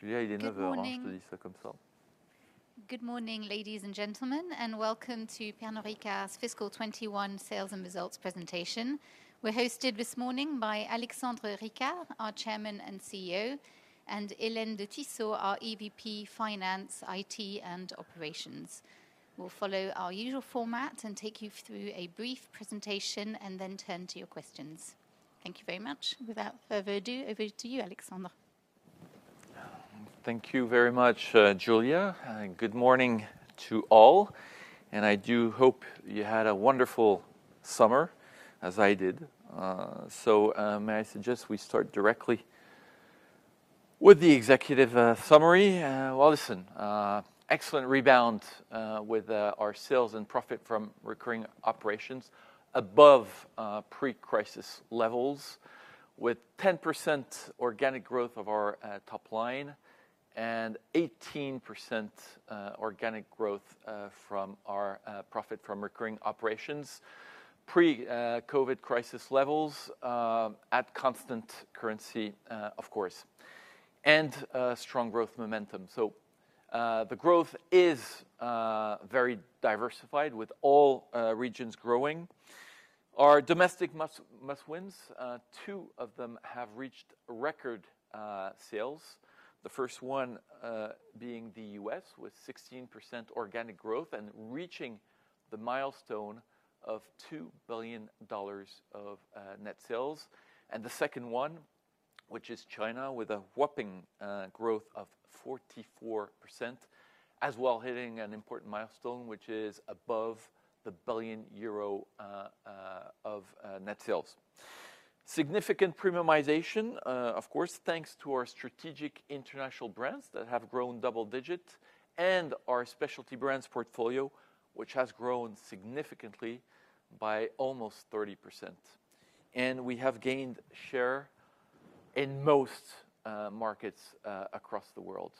Good morning, ladies and gentlemen, and welcome to Pernod Ricard's fiscal 2021 sales and results presentation. We're hosted this morning by Alexandre Ricard, our Chairman and CEO, and Hélène de Tissot, our EVP Finance, IT, and Operations. We'll follow our usual format and take you through a brief presentation and then turn to your questions. Thank you very much. Without further ado, over to you, Alexandre. Thank you very much, Julia. Good morning to all, and I do hope you had a wonderful summer as I did. May I suggest we start directly with the executive summary? Excellent rebound with our sales and Profit from Recurring Operations above pre-crisis levels with 10% organic growth of our top line and 18% organic growth from our Profit from Recurring Operations, pre-COVID crisis levels at constant currency, of course, and strong growth momentum. The growth is very diversified with all regions growing. Our domestic must-wins, two of them have reached record sales. The first one being the U.S. with 16% organic growth and reaching the milestone of $2 billion of net sales. The second one, which is China, with a whopping growth of 44%, as well hitting an important milestone, which is above 1 billion euro of net sales. Significant premiumization, of course, thanks to our strategic international brands that have grown double-digit and our specialty brands portfolio, which has grown significantly by almost 30%. We have gained share in most markets across the world.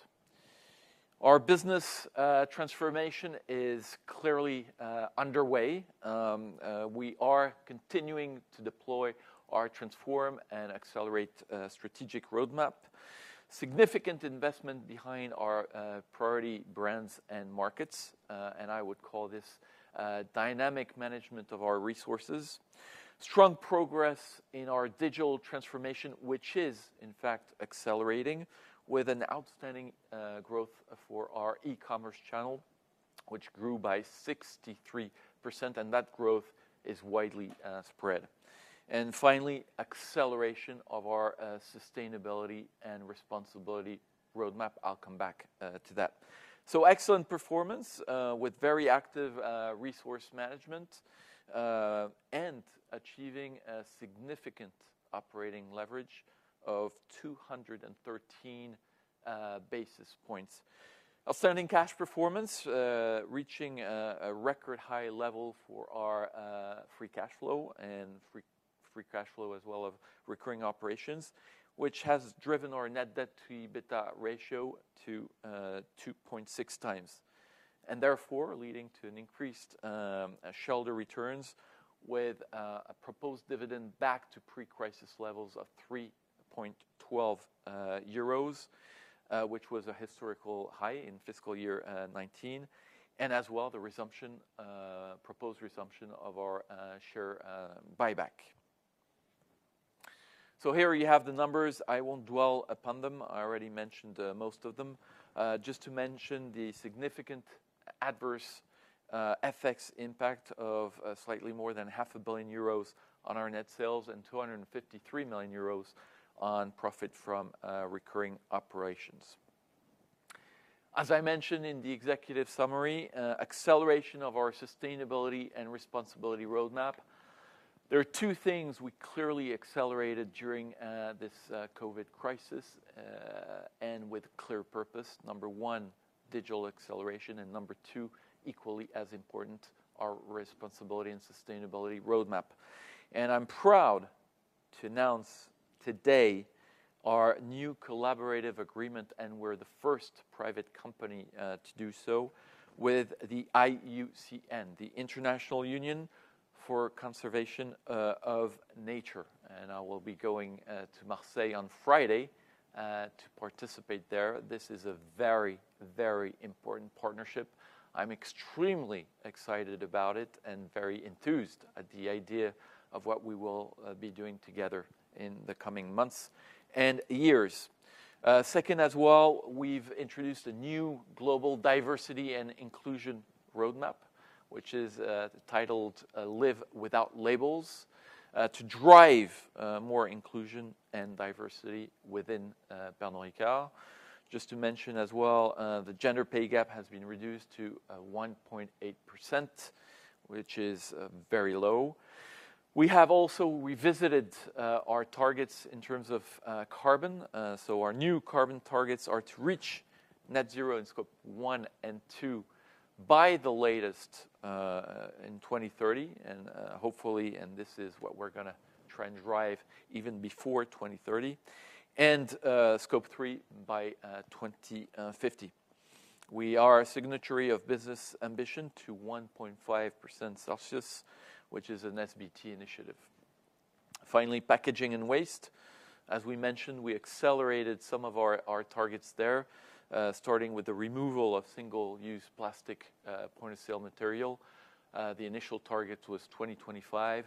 Our business transformation is clearly underway. We are continuing to deploy our Transform & Accelerate strategic roadmap. Significant investment behind our priority brands and markets, and I would call this dynamic management of our resources. Strong progress in our digital transformation, which is in fact accelerating with an outstanding growth for our e-commerce channel, which grew by 63%, and that growth is widely spread. Finally, acceleration of our sustainability and responsibility roadmap. I'll come back to that. Excellent performance with very active resource management, and achieving a significant operating leverage of 213 basis points. Outstanding cash performance, reaching a record high level for our Free Cash Flow and Free Cash Flow as well of recurring operations, which has driven our net debt to EBITDA ratio to 2.6x. Therefore, leading to an increased shareholder returns with a proposed dividend back to pre-crisis levels of 3.12 euros, which was a historical high in fiscal year 2019, and as well, the proposed resumption of our share buyback. Here you have the numbers. I won't dwell upon them. I already mentioned most of them. Just to mention the significant adverse FX impact of slightly more than 500,000 euros on our net sales and 253 million euros on Profit from Recurring Operations. As I mentioned in the executive summary, acceleration of our sustainability and responsibility roadmap. There are two things we clearly accelerated during this COVID crisis, and with clear purpose. Number 1, digital acceleration, and number 2, equally as important, our responsibility and sustainability roadmap. I'm proud to announce today our new collaborative agreement, and we're the first private company to do so with the IUCN, the International Union for Conservation of Nature. I will be going to Marseille on Friday to participate there. This is a very, very important partnership. I'm extremely excited about it and very enthused at the idea of what we will be doing together in the coming months and years. Second, as well, we've introduced a new global diversity and inclusion roadmap, which is titled Live Without Labels, to drive more inclusion and diversity within Pernod Ricard. Just to mention as well, the gender pay gap has been reduced to 1.8%, which is very low. We have also revisited our targets in terms of carbon. Our new carbon targets are to reach net zero in Scope 1 and 2 by the latest in 2030, and hopefully, this is what we're going to try and drive even before 2030, and Scope 3 by 2050. We are a signatory of Business Ambition to 1.5 degrees Celsius, which is an SBT initiative. Packaging and waste. As we mentioned, we accelerated some of our targets there, starting with the removal of single-use plastic point-of-sale material. The initial target was 2025.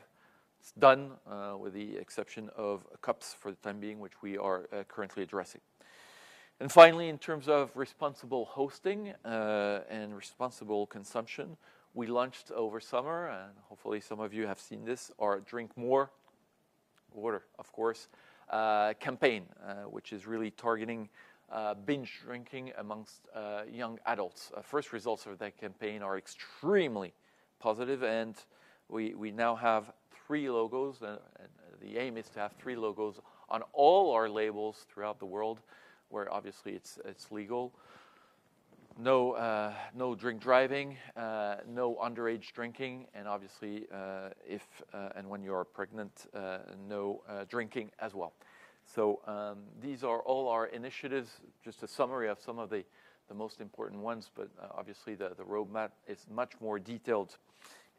It's done, with the exception of cups for the time being, which we are currently addressing. In terms of responsible hosting and responsible consumption, we launched over summer, and hopefully some of you have seen this, our Drink More Water, of course, campaign, which is really targeting binge drinking amongst young adults. First results of that campaign are extremely positive, and we now have three logos. The aim is to have three logos on all our labels throughout the world, where obviously it's legal. No drink driving, no underage drinking, and obviously, if and when you are pregnant, no drinking as well. These are all our initiatives. Just a summary of some of the most important ones, but obviously, the roadmap is much more detailed,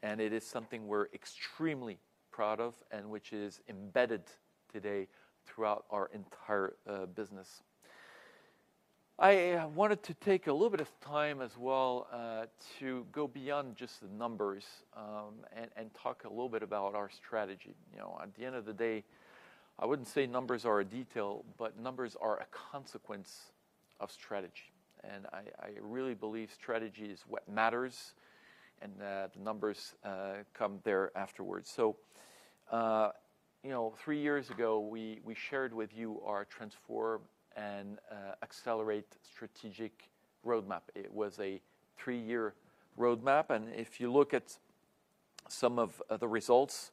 and it is something we're extremely proud of and which is embedded today throughout our entire business. I wanted to take a little bit of time as well to go beyond just the numbers and talk a little bit about our strategy. At the end of the day, I wouldn't say numbers are a detail, but numbers are a consequence of strategy. I really believe strategy is what matters, and that the numbers come there afterwards. Three years ago, we shared with you our transform and accelerate strategic roadmap. It was a three-year roadmap. If you look at some of the results,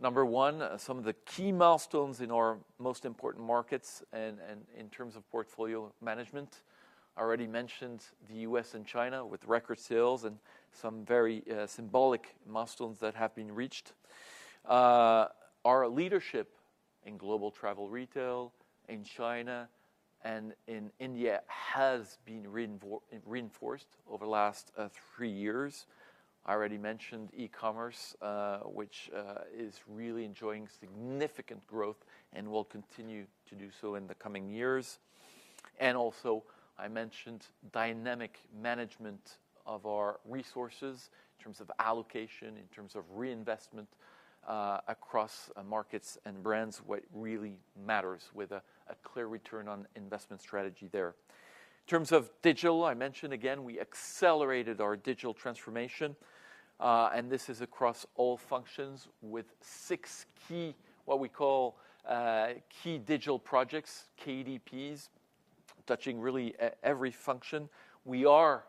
number 1, some of the key milestones in our most important markets and in terms of portfolio management, I already mentioned the U.S. and China with record sales and some very symbolic milestones that have been reached. Our leadership in global travel retail in China and in India has been reinforced over the last three years. I already mentioned e-commerce, which is really enjoying significant growth and will continue to do so in the coming years. Also, I mentioned dynamic management of our resources in terms of allocation, in terms of reinvestment across markets and brands, what really matters with a clear return on investment strategy there. In terms of digital, I mentioned again, we accelerated our digital transformation, and this is across all functions with six key, what we call, Key Digital Projects, KDPs, touching really every function. We are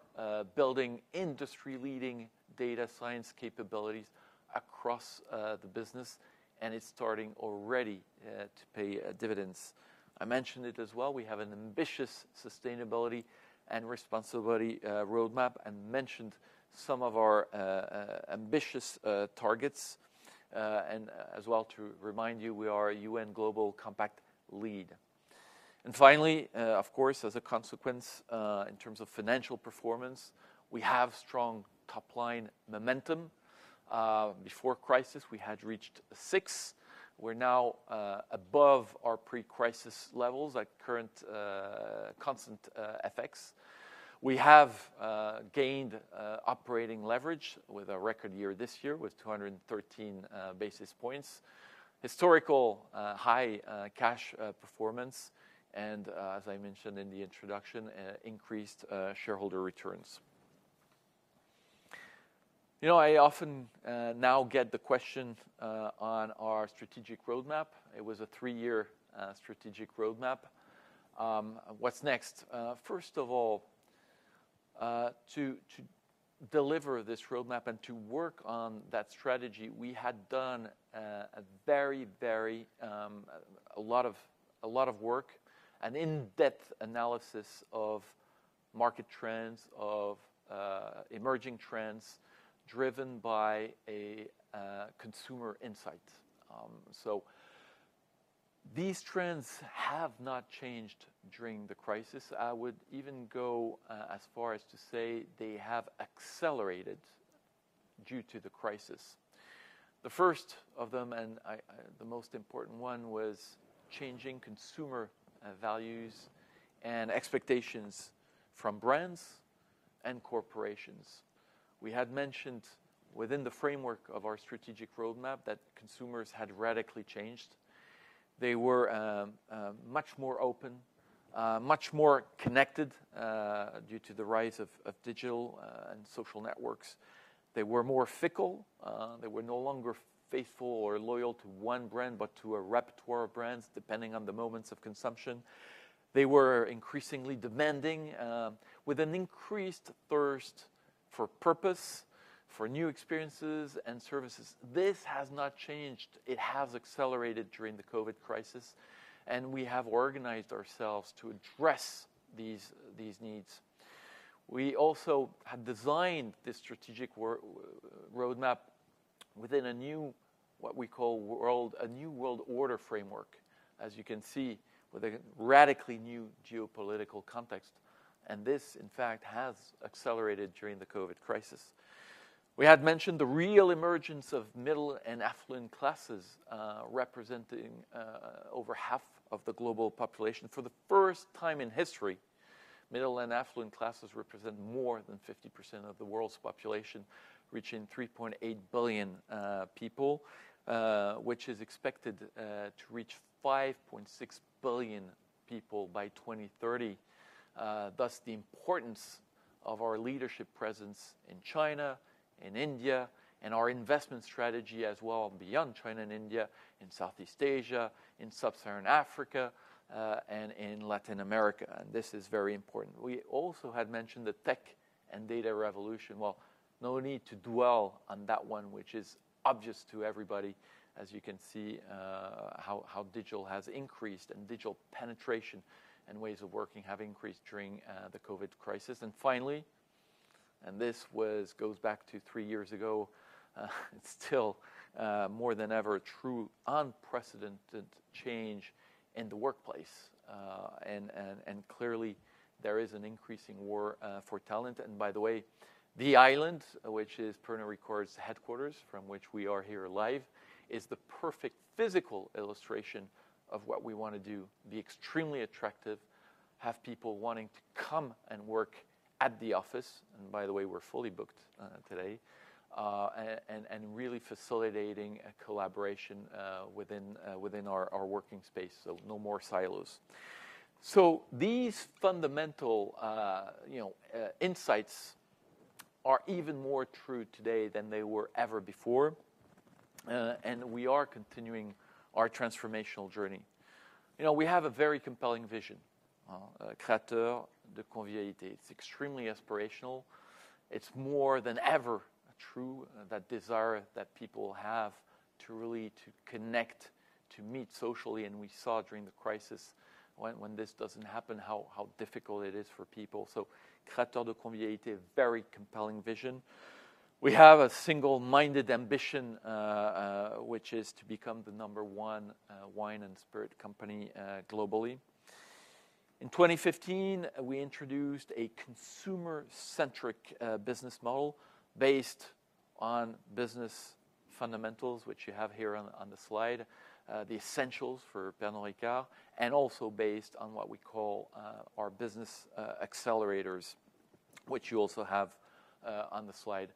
building industry-leading data science capabilities across the business, and it's starting already to pay dividends. I mentioned it as well, we have an ambitious sustainability and responsibility roadmap and mentioned some of our ambitious targets. As well, to remind you, we are a UN Global Compact lead. Finally, of course, as a consequence, in terms of financial performance, we have strong top-line momentum. Before crisis, we had reached six. We're now above our pre-crisis levels at current constant FX. We have gained operating leverage with a record year this year with 213 basis points. Historical high cash performance, and as I mentioned in the introduction, increased shareholder returns. I often now get the question on our strategic roadmap. It was a three-year strategic roadmap. What's next? First of all, to deliver this roadmap and to work on that strategy, we had done a lot of work, an in-depth analysis of market trends, of emerging trends driven by a consumer insight. These trends have not changed during the crisis. I would even go as far as to say they have accelerated due to the crisis. The first of them, and the most important one, was changing consumer values and expectations from brands and corporations. We had mentioned within the framework of our strategic roadmap that consumers had radically changed. They were much more open, much more connected, due to the rise of digital and social networks. They were more fickle. They were no longer faithful or loyal to one brand, but to a repertoire of brands, depending on the moments of consumption. They were increasingly demanding, with an increased thirst for purpose, for new experiences and services. This has not changed. It has accelerated during the COVID crisis, and we have organized ourselves to address these needs. We also have designed this strategic roadmap within a new, what we call a new world order framework, as you can see, with a radically new geopolitical context. This, in fact, has accelerated during the COVID crisis. We had mentioned the real emergence of middle and affluent classes, representing over half of the global population. For the first time in history, middle and affluent classes represent more than 50% of the world's population, reaching 3.8 billion people, which is expected to reach 5.6 billion people by 2030. The importance of our leadership presence in China, in India, and our investment strategy as well, beyond China and India, in Southeast Asia, in sub-Saharan Africa, and in Latin America. This is very important. We also had mentioned the tech and data revolution. Well, no need to dwell on that one, which is obvious to everybody, as you can see how digital has increased, and digital penetration and ways of working have increased during the COVID crisis. Finally, this goes back to three years ago, it's still more than ever, a true unprecedented change in the workplace. Clearly, there is an increasing war for talent. By the way, The Island, which is Pernod Ricard's headquarters from which we are here live, is the perfect physical illustration of what we want to do. Be extremely attractive, have people wanting to come and work at the office, by the way, we're fully booked today. Really facilitating a collaboration within our working space. No more silos. These fundamental insights are even more true today than they were ever before. We are continuing our transformational journey. We have a very compelling vision. Créateurs de Convivialité it's extremely aspirational. It's more than ever true, that desire that people have to really connect, to meet socially. We saw during the crisis, when this doesn't happen, how difficult it is for people. Créateurs de Convivialité, a very compelling vision. We have a single-minded ambition, which is to become the number one wine and spirit company globally. In 2015, we introduced a consumer-centric business model based on business fundamentals, which you have here on the slide. The essentials for Pernod Ricard. Also based on what we call our business accelerators, which you also have on the slide.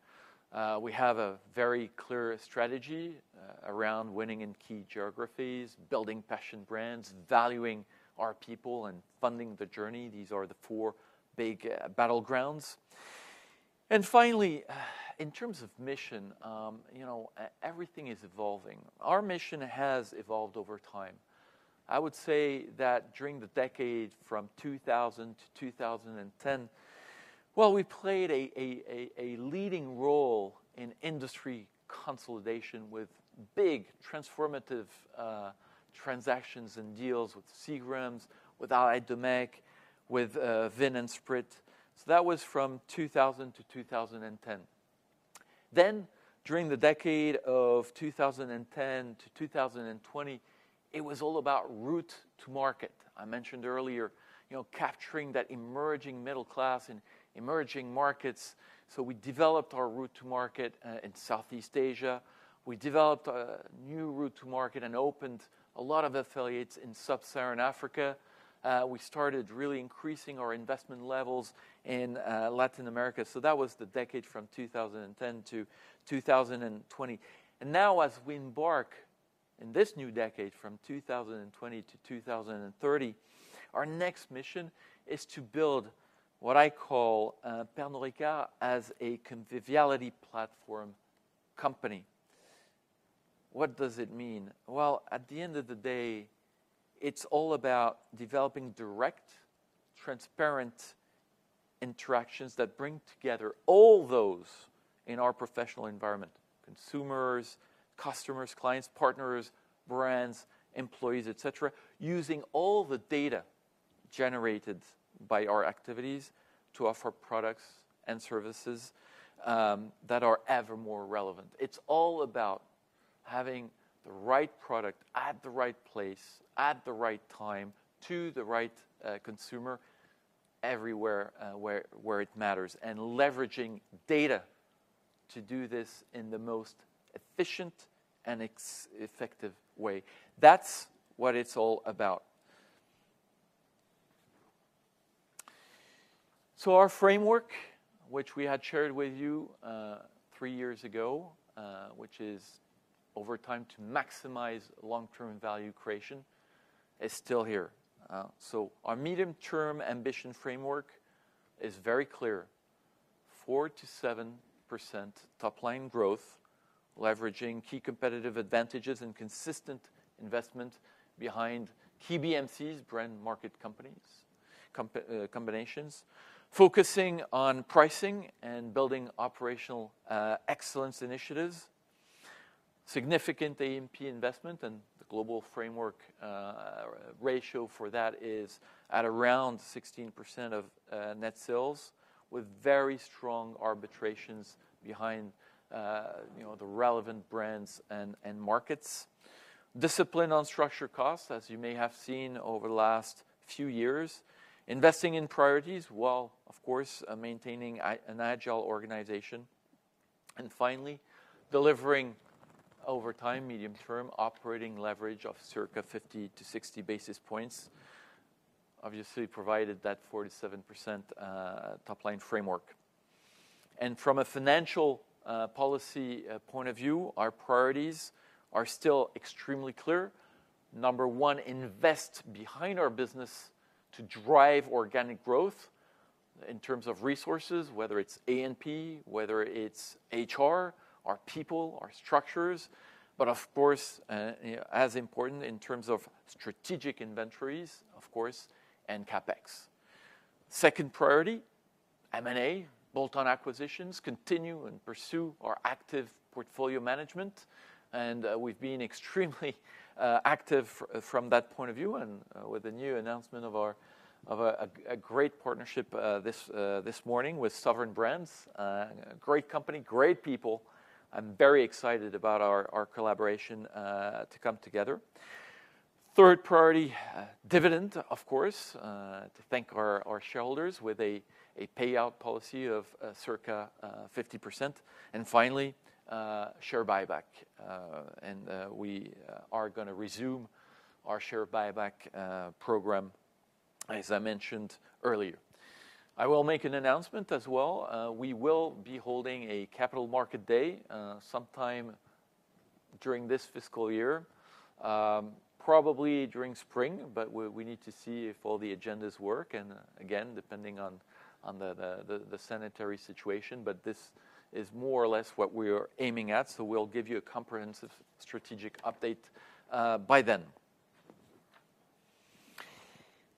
We have a very clear strategy around winning in key geographies, building passion brands, valuing our people, and funding the journey. These are the four big battlegrounds. Finally, in terms of mission, everything is evolving. Our mission has evolved over time. I would say that during the decade from 2000 to 2010, we played a leading role in industry consolidation with big transformative transactions and deals with Seagram, with Allied Domecq, with Vin & Sprit. That was from 2000 to 2010. During the decade of 2010 to 2020, it was all about route to market. I mentioned earlier, capturing that emerging middle class in emerging markets. We developed our route to market in Southeast Asia. We developed a new route to market and opened a lot of affiliates in sub-Saharan Africa. We started really increasing our investment levels in Latin America. That was the decade from 2010 to 2020. Now as we embark in this new decade from 2020 to 2030, our next mission is to build what I call Pernod Ricard as a conviviality platform company. What does it mean? Well, at the end of the day, it's all about developing direct, transparent interactions that bring together all those in our professional environment, consumers, customers, clients, partners, brands, employees, et cetera, using all the data generated by our activities to offer products and services that are ever more relevant. It's all about having the right product at the right place at the right time to the right consumer everywhere where it matters, and leveraging data to do this in the most efficient and effective way. That's what it's all about. Our framework, which we had shared with you three years ago, which is over time to maximize long-term value creation, is still here. Our medium-term ambition framework is very clear. 4%-7% top-line growth, leveraging key competitive advantages and consistent investment behind key BMCs, Brand Market Companies combinations. Focusing on pricing and building operational excellence initiatives. Significant A&P investment and the global framework ratio for that is at around 16% of net sales, with very strong arbitrations behind the relevant brands and markets. Discipline on structure costs, as you may have seen over the last few years. Investing in priorities, while, of course, maintaining an agile organization. Finally, delivering over time, medium term, operating leverage of circa 50-60 basis points, obviously provided that 47% top-line framework. From a financial policy point of view, our priorities are still extremely clear. Number 1, invest behind our business to drive organic growth in terms of resources, whether it's A&P, whether it's HR, our people, our structures. Of course, as important in terms of strategic inventories, of course, and CapEx. Second priority, M&A, bolt-on acquisitions, continue and pursue our active portfolio management. We've been extremely active from that point of view and with the new announcement of a great partnership this morning with Sovereign Brands. Great company, great people. I'm very excited about our collaboration to come together. Third priority, dividend, of course, to thank our shareholders with a payout policy of circa 50%. Finally, share buyback. We are going to resume our share buyback program, as I mentioned earlier. I will make an announcement as well. We will be holding a Capital Market Day sometime during this fiscal year, probably during spring, but we need to see if all the agendas work, and again, depending on the sanitary situation. This is more or less what we are aiming at, so we'll give you a comprehensive strategic update by then.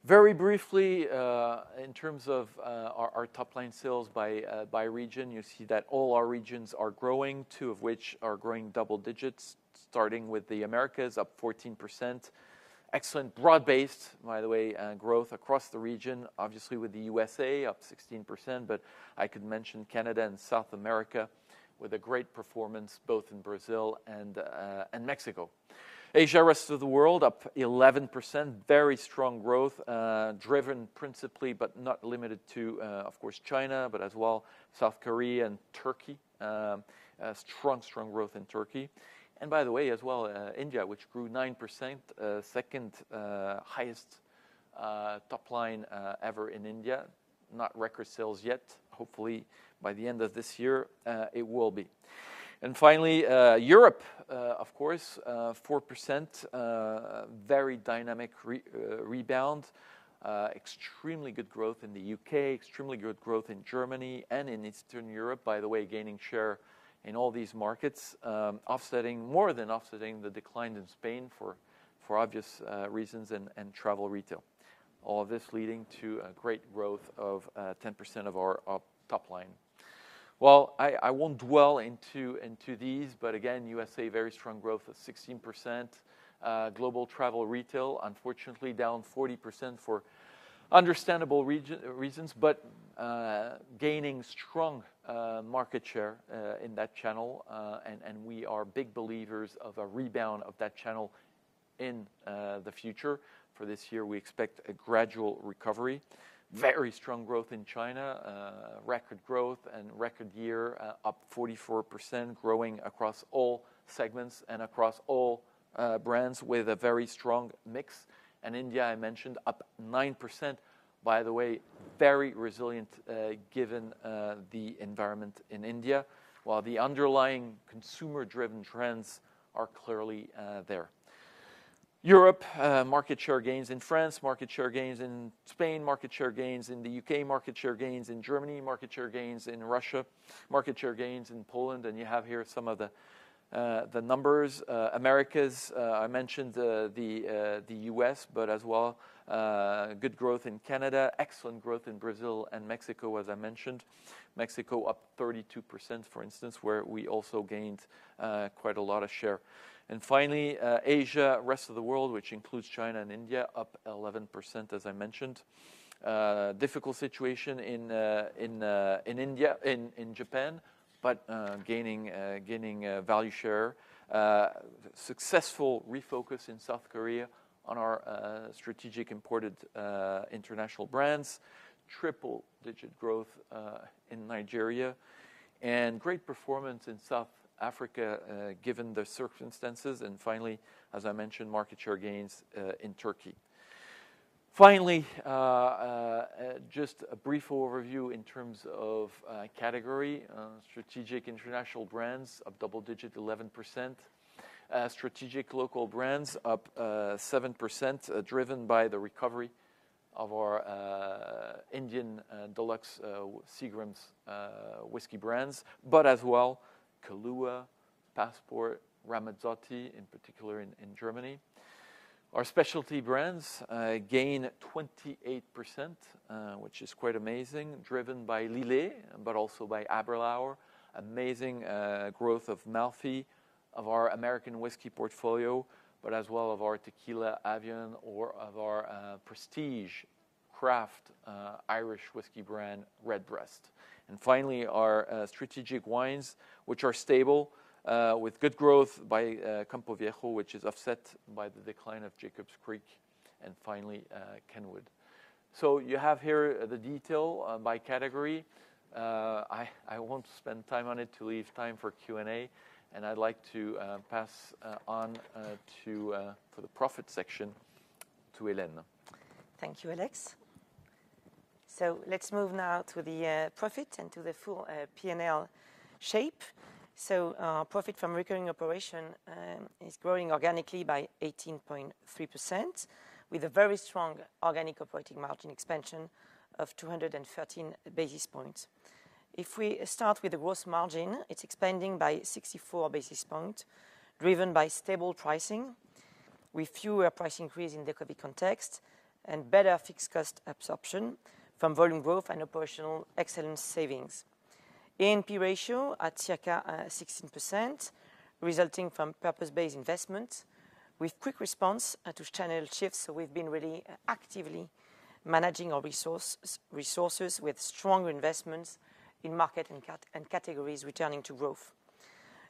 Very briefly, in terms of our top-line sales by region, you see that all our regions are growing, two of which are growing double digits, starting with the Americas, up 14%. Excellent broad-based, by the way, growth across the region, obviously with the USA up 16%, but I could mention Canada and South America with a great performance both in Brazil and Mexico. Asia, rest of the world, up 11%. Very strong growth, driven principally, but not limited to, of course, China, but as well South Korea and Turkey. Strong growth in Turkey. By the way, as well, India, which grew 9%, second highest top line ever in India. Not record sales yet. Hopefully, by the end of this year, it will be. Finally, Europe, of course, 4%, very dynamic rebound. Extremely good growth in the U.K., extremely good growth in Germany and in Eastern Europe, by the way, gaining share in all these markets, more than offsetting the decline in Spain for obvious reasons and travel retail. All of this leading to a great growth of 10% of our top line. Well, I won't dwell into these, but again, USA, very strong growth of 16%. Global Travel Retail, unfortunately down 40% for understandable reasons, but gaining strong market share in that channel, and we are big believers of a rebound of that channel in the future. For this year, we expect a gradual recovery. Very strong growth in China, record growth and record year, up 44%, growing across all segments and across all brands with a very strong mix. India, I mentioned, up 9%. By the way, very resilient, given the environment in India, while the underlying consumer-driven trends are clearly there. Europe, market share gains in France, market share gains in Spain, market share gains in the U.K., market share gains in Germany, market share gains in Russia, market share gains in Poland. You have here some of the numbers. Americas, I mentioned the U.S., but as well, good growth in Canada, excellent growth in Brazil and Mexico, as I mentioned. Mexico up 32%, for instance, where we also gained quite a lot of share. Finally, Asia, rest of the world, which includes China and India, up 11%, as I mentioned. Difficult situation in Japan, but gaining value share. Successful refocus in South Korea on our strategic imported international brands. Triple-digit growth in Nigeria, and great performance in South Africa, given the circumstances. Finally, as I mentioned, market share gains in Turkey. Finally, just a brief overview in terms of category. Strategic international brands up double-digit, 11%. Strategic local brands up 7%, driven by the recovery of our Indian Deluxe Seagram's whiskey brands, but as well, Kahlúa, Passport, Ramazzotti, in particular in Germany. Our specialty brands gained 28%, which is quite amazing, driven by Lillet but also by Aberlour. Amazing growth of Malfy, of our American whiskey portfolio, but as well as our tequila, Avión, or of our prestige craft Irish whiskey brand, Redbreast. Finally, our strategic wines, which are stable with good growth by Campo Viejo, which is offset by the decline of Jacob's Creek, and finally, Kenwood. You have here the detail by category. I won't spend time on it to leave time for Q&A. I'd like to pass on for the profit section to Hélène. Thank you, Alex. Let's move now to the profit and to the full P&L shape. Profit from Recurring Operations is growing organically by 18.3% with a very strong organic operating margin expansion of 213 basis points. If we start with the gross margin, it's expanding by 64 basis points, driven by stable pricing with fewer price increase in the COVID context and better fixed cost absorption from volume growth and operational excellence savings. A&P ratio at circa 16%, resulting from purpose-based investment with quick response to channel shifts. We've been really actively managing our resources with strong investments in market and categories returning to growth.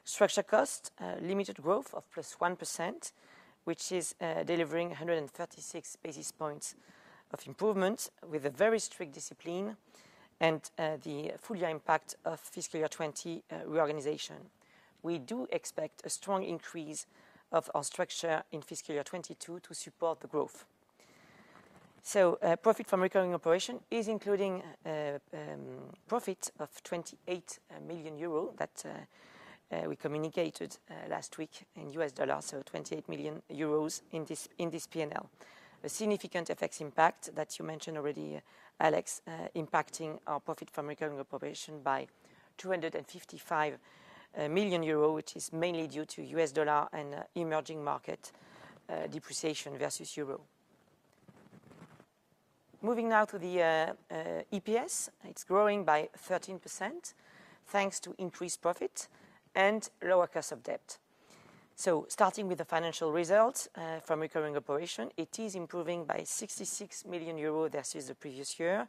Structure cost, limited growth of plus 1%, which is delivering 136 basis points of improvement with a very strict discipline and the full-year impact of fiscal year 2020 reorganization. We do expect a strong increase of our structure in fiscal year 2022 to support the growth. Profit from Recurring Operations is including profit of 28 million euro that we communicated last week in U.S. dollars, so 28 million euros in this P&L. A significant FX impact that you mentioned already, Alex, impacting our Profit from Recurring Operations by 255 million euro, which is mainly due to U.S. dollar and emerging market depreciation versus euro. Moving now to the EPS. It is growing by 13% thanks to increased profit and lower cost of debt. Starting with the financial results from recurring operation, it is improving by 66 million euros versus the previous year,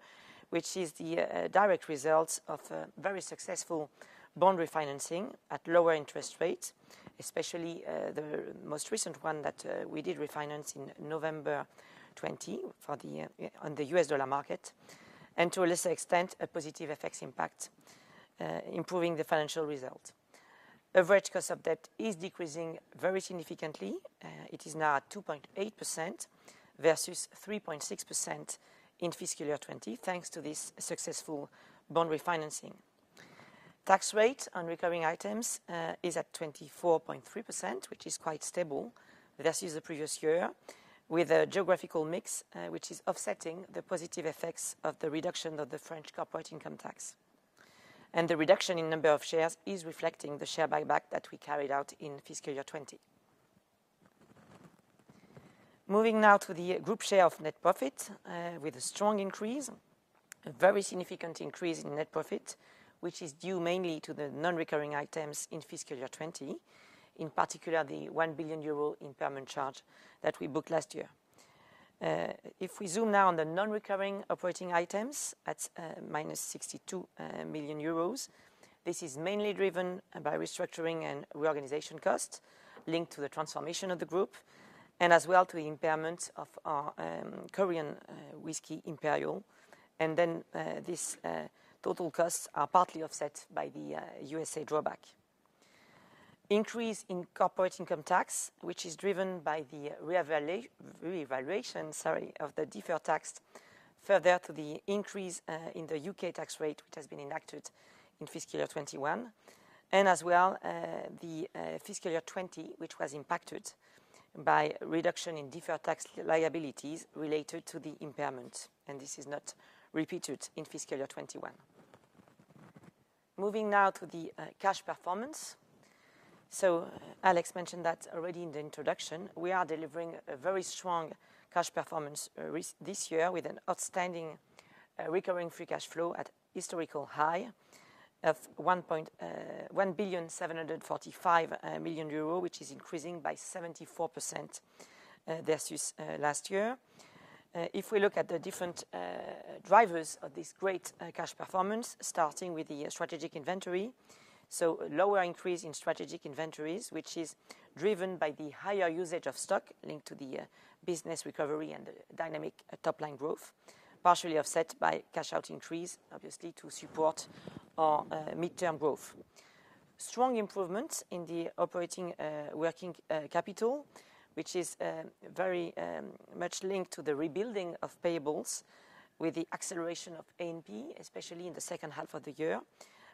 which is the direct result of a very successful bond refinancing at lower interest rates, especially the most recent one that we did refinance in November 2020 on the U.S. dollar market, and to a lesser extent, a positive FX impact improving the financial result. Average cost of debt is decreasing very significantly. It is now at 2.8% versus 3.6% in fiscal year 2020, thanks to this successful bond refinancing. Tax rate on recurring items is at 24.3%, which is quite stable versus the previous year, with a geographical mix which is offsetting the positive effects of the reduction of the French corporate income tax. The reduction in number of shares is reflecting the share buyback that we carried out in fiscal year 2020. Moving now to the group share of net profit, with a strong increase, a very significant increase in net profit, which is due mainly to the non-recurring items in fiscal year 2020. In particular, the 1 billion euro impairment charge that we booked last year. If we zoom now on the non-recurring operating items at minus 62 million euros, this is mainly driven by restructuring and reorganization costs linked to the transformation of the group and as well to the impairment of our Korean whiskey, Imperial. These total costs are partly offset by the USA drawback. Increase in corporate income tax, which is driven by the revaluation of the deferred tax further to the increase in the U.K. tax rate, which has been enacted in fiscal year 2021, and as well, the fiscal year 2020, which was impacted by reduction in deferred tax liabilities related to the impairment. This is not repeated in FY 2021. Moving now to the cash performance. Alex mentioned that already in the introduction, we are delivering a very strong cash performance this year with an outstanding recurring Free Cash Flow at historical high of 1.745 billion euro, which is increasing by 74% versus last year. If we look at the different drivers of this great cash performance, starting with the strategic inventory. Lower increase in strategic inventories, which is driven by the higher usage of stock linked to the business recovery and dynamic top-line growth, partially offset by cash-out increase, obviously to support our midterm growth. Strong improvement in the operating working capital, which is very much linked to the rebuilding of payables with the acceleration of A&P, especially in the second half of the year,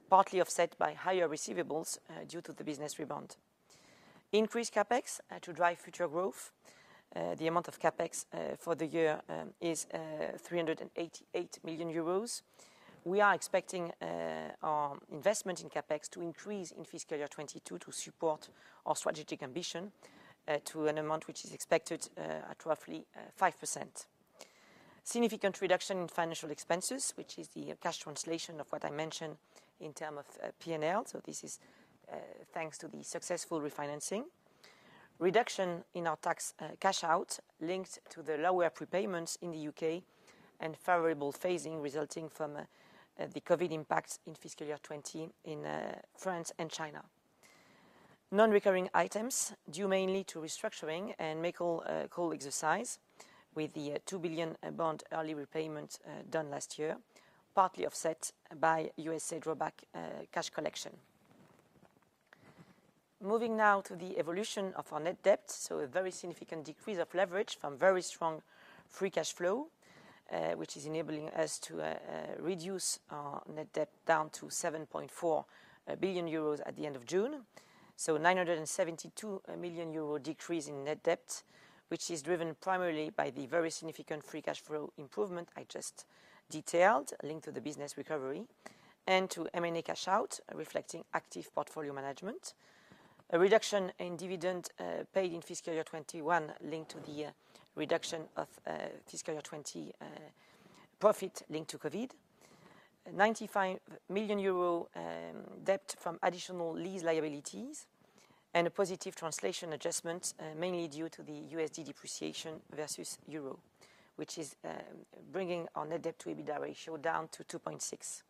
partly offset by higher receivables due to the business rebound. Increased CapEx to drive future growth. The amount of CapEx for the year is 388 million euros. We are expecting our investment in CapEx to increase in fiscal year 2022 to support our strategic ambition to an amount which is expected at roughly 5%. Significant reduction in financial expenses, which is the cash translation of what I mentioned in term of P&L. This is thanks to the successful refinancing. Reduction in our tax cash out linked to the lower prepayments in the U.K., and favorable phasing resulting from the COVID impact in fiscal year 2020 in France and China. Non-recurring items due mainly to restructuring and make-whole call exercise, with the 2 billion bond early repayment done last year, partly offset by USA drawback cash collection. Moving now to the evolution of our net debt. A very significant decrease of leverage from very strong free cash flow, which is enabling us to reduce our net debt down to 7.4 billion euros at the end of June. A 972 million euro decrease in net debt, which is driven primarily by the very significant free cash flow improvement I just detailed, linked to the business recovery, and to M&A cash out, reflecting active portfolio management. A reduction in dividend paid in FY 2021 linked to the reduction of FY 2020 profit linked to COVID. 95 million euro debt from additional lease liabilities, and a positive translation adjustment, mainly due to the USD depreciation versus EUR, which is bringing our net debt to EBITDA ratio down to 2.6.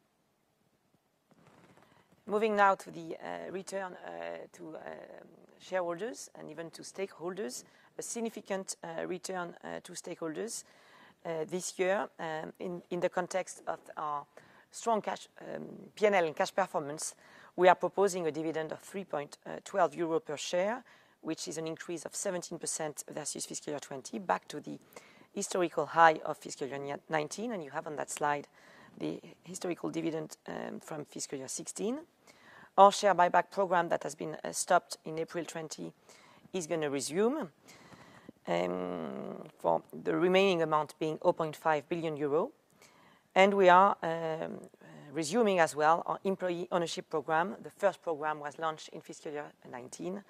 Moving now to the return to shareholders and even to stakeholders. A significant return to stakeholders this year. In the context of our strong cash P&L and cash performance, we are proposing a dividend of 3.12 euro per share, which is an increase of 17% versus fiscal year 2020, back to the historical high of fiscal year 2019. You have on that slide the historical dividend from fiscal year 2016. Our share buyback program that has been stopped in April 2020 is going to resume, for the remaining amount being 8.5 billion euro. We are resuming, as well, our employee ownership program. The first program was launched in fiscal year 2019.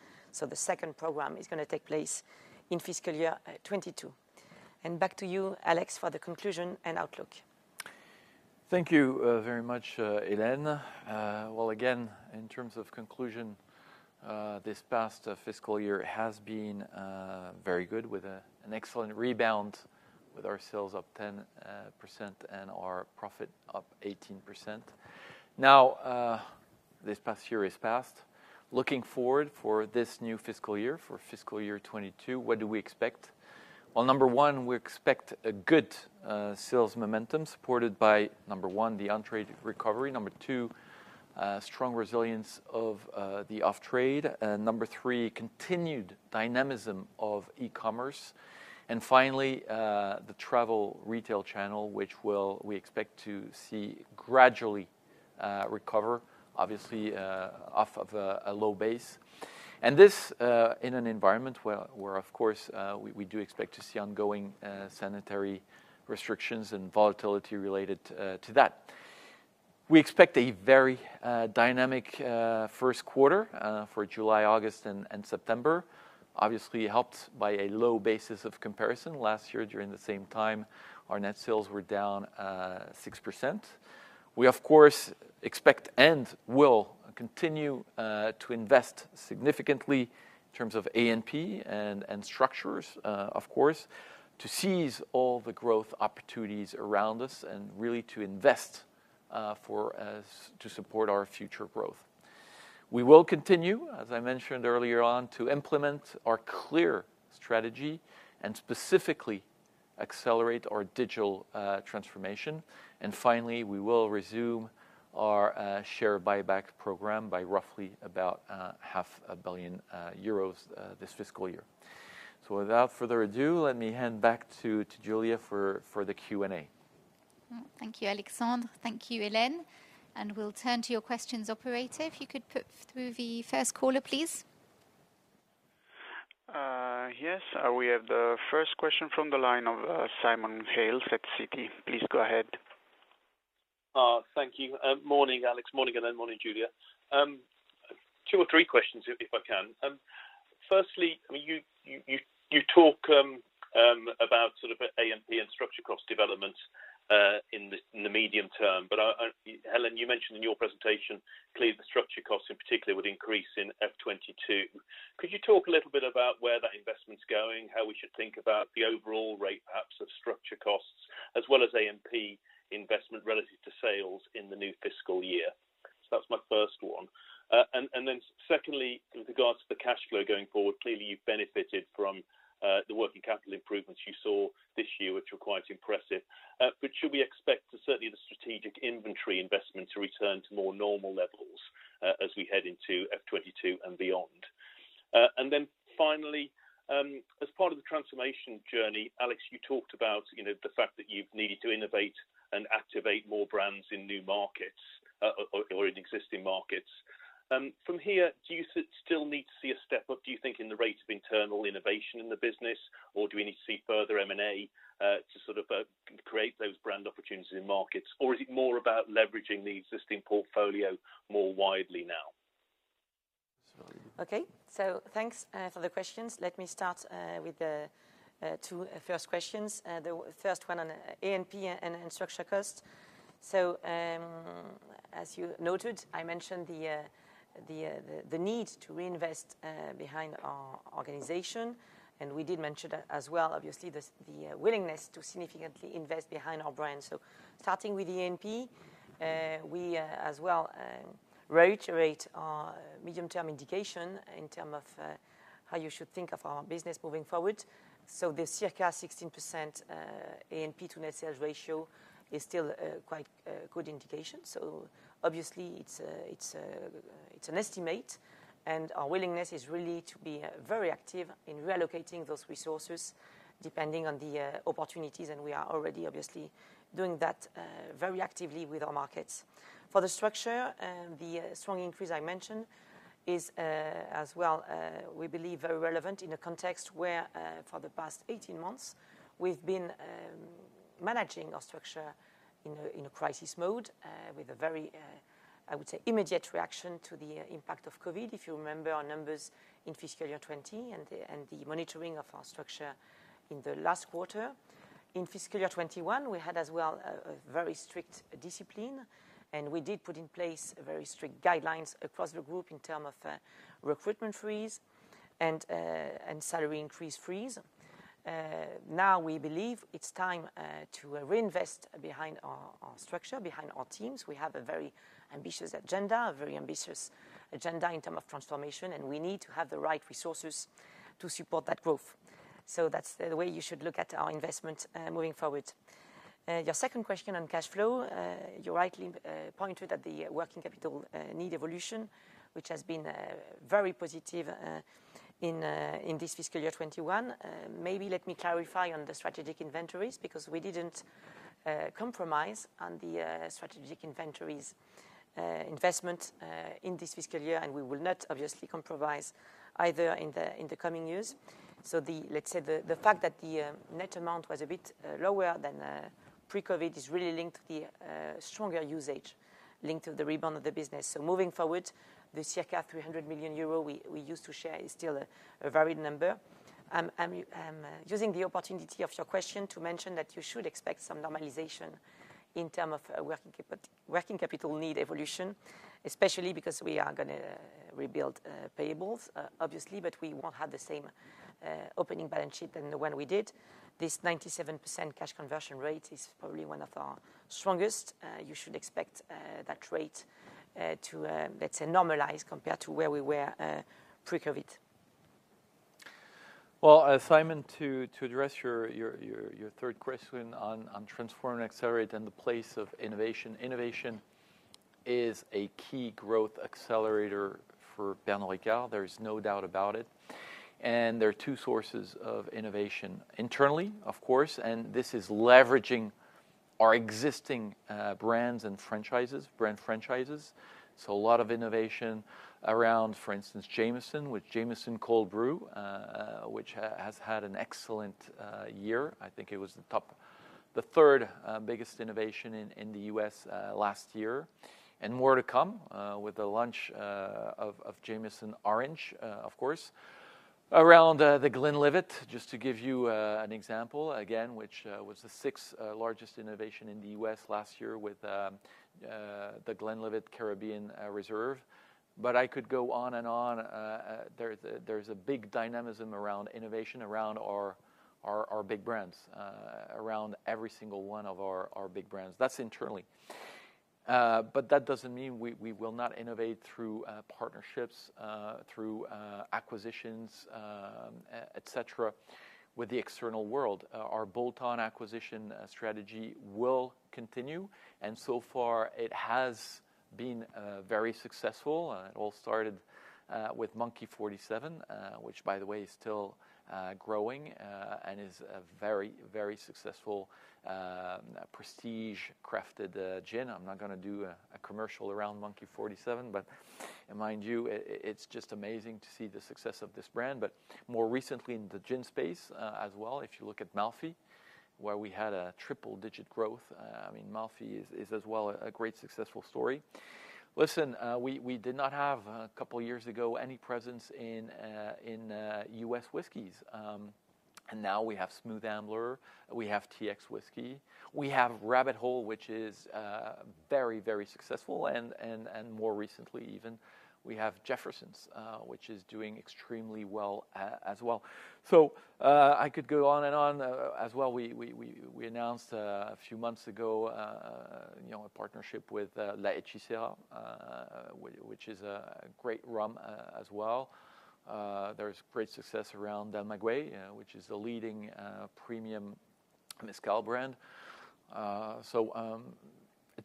The second program is going to take place in fiscal year 2022. Back to you, Alex, for the conclusion and outlook. Thank you very much, Hélène. Well, again, in terms of conclusion, this past fiscal year has been very good, with an excellent rebound with our sales up 10% and our profit up 18%. Now, this past year is past. Looking forward for this new fiscal year, for fiscal year 2022, what do we expect? Well, number 1, we expect a good sales momentum supported by, number 1, the on-trade recovery. Number 2, strong resilience of the off-trade. Number 3, continued dynamism of e-commerce. Finally, the travel retail channel, which we expect to see gradually recover, obviously, off of a low base. This, in an environment where, of course, we do expect to see ongoing sanitary restrictions and volatility related to that. We expect a very dynamic first quarter for July, August, and September, obviously helped by a low basis of comparison. Last year during the same time, our net sales were down 6%. We, of course, expect and will continue to invest significantly in terms of A&P and structures, of course, to seize all the growth opportunities around us and really to invest to support our future growth. We will continue, as I mentioned earlier on, to implement our clear strategy and specifically accelerate our digital transformation. Finally, we will resume our share buyback program by roughly about 500,000 euros this fiscal year. Without further ado, let me hand back to Julia for the Q&A. Thank you, Alexandre. Thank you, Hélène. We'll turn to your questions, operator. If you could put through the first caller, please. Yes. We have the first question from the line of Simon Hales at Citi. Please go ahead. Thank you. Morning, Alex. Morning, Hélène. Morning, Julia. Two or three questions, if I can. Firstly, you talk about sort of A&P and structure cost developments in the medium term. Hélène, you mentioned in your presentation clearly the structure costs in particular would increase in FY 2022. Could you talk a little bit about where that investment's going, how we should think about the overall rate, perhaps, of structure costs as well as A&P investment relative to sales in the new fiscal year? That's my first one. Secondly, with regards to the cash flow going forward, clearly you've benefited from the working capital improvements you saw this year, which were quite impressive. Should we expect certainly the strategic inventory investment to return to more normal levels as we head into FY 2022 and beyond? Finally, as part of the transformation journey, Alex, you talked about the fact that you've needed to innovate and activate more brands in new markets or in existing markets. From here, do you still need to see a step up, do you think, in the rate of internal innovation in the business, or do we need to see further M&A to sort of create those brand opportunities in markets, or is it more about leveraging the existing portfolio more widely now? Okay. Thanks for the questions. Let me start with the two first questions. The first one on A&P and structure cost. As you noted, I mentioned the need to reinvest behind our organization, and we did mention as well, obviously, the willingness to significantly invest behind our brand. Starting with A&P, we as well reiterate our medium-term indication in terms of how you should think of our business moving forward. The circa 16% A&P to net sales ratio is still quite a good indication. Obviously it's an estimate, and our willingness is really to be very active in relocating those resources depending on the opportunities, and we are already obviously doing that very actively with our markets. For the structure, the strong increase I mentioned is, as well, we believe, very relevant in a context where, for the past 18 months, we've been managing our structure in a crisis mode, with a very, I would say, immediate reaction to the impact of COVID. If you remember our numbers in fiscal year 2020 and the monitoring of our structure in the last quarter. In fiscal year 2021, we had as well a very strict discipline. We did put in place very strict guidelines across the group in terms of recruitment freeze and salary increase freeze. We believe it's time to reinvest behind our structure, behind our teams. We have a very ambitious agenda in terms of transformation, and we need to have the right resources to support that growth. That's the way you should look at our investment moving forward. Your second question on cash flow, you rightly pointed at the working capital need evolution, which has been very positive in this fiscal year 2021. Let me clarify on the strategic inventories, we didn't compromise on the strategic inventories investment in this fiscal year, and we will not obviously compromise either in the coming years. Let's say the fact that the net amount was a bit lower than pre-COVID is really linked to the stronger usage linked to the rebound of the business. Moving forward, the circa 300 million euro we used to share is still a varied number. I'm using the opportunity of your question to mention that you should expect some normalization in terms of working capital need evolution, especially because we are going to rebuild payables, obviously, but we won't have the same opening balance sheet than when we did. This 97% cash conversion rate is probably one of our strongest. You should expect that rate to, let's say, normalize compared to where we were pre-COVID. Well, Simon, to address your third question on transform and accelerate and the place of innovation. Innovation is a key growth accelerator for Pernod Ricard. There's no doubt about it. There are two sources of innovation. Internally, of course, and this is leveraging our existing brands and franchises, brand franchises. A lot of innovation around, for instance, Jameson, with Jameson Cold Brew, which has had an excellent year. I think it was the third biggest innovation in the U.S. last year. More to come with the launch of Jameson Orange, of course. Around The Glenlivet, just to give you an example, again, which was the sixth largest innovation in the U.S. last year with The Glenlivet Caribbean Reserve. I could go on and on. There's a big dynamism around innovation, around our big brands, around every single one of our big brands. That's internally. That doesn't mean we will not innovate through partnerships, through acquisitions, et cetera, with the external world. Our bolt-on acquisition strategy will continue, and so far it has been very successful. It all started with Monkey 47, which by the way, is still growing and is a very, very successful prestige crafted gin. I'm not going to do a commercial around Monkey 47, but mind you, it's just amazing to see the success of this brand. More recently in the gin space as well, if you look at Malfy, where we had a triple-digit growth. Malfy is as well a great successful story. Listen, we did not have, a couple years ago, any presence in U.S. whiskies. Now we have Smooth Ambler. We have TX Whiskey. We have Rabbit Hole, which is very, very successful. More recently even, we have Jefferson's, which is doing extremely well as well. I could go on and on. As well, we announced a few months ago a partnership with La Hechicera, which is a great rum as well. There's great success around Del Maguey, which is a leading premium mezcal brand.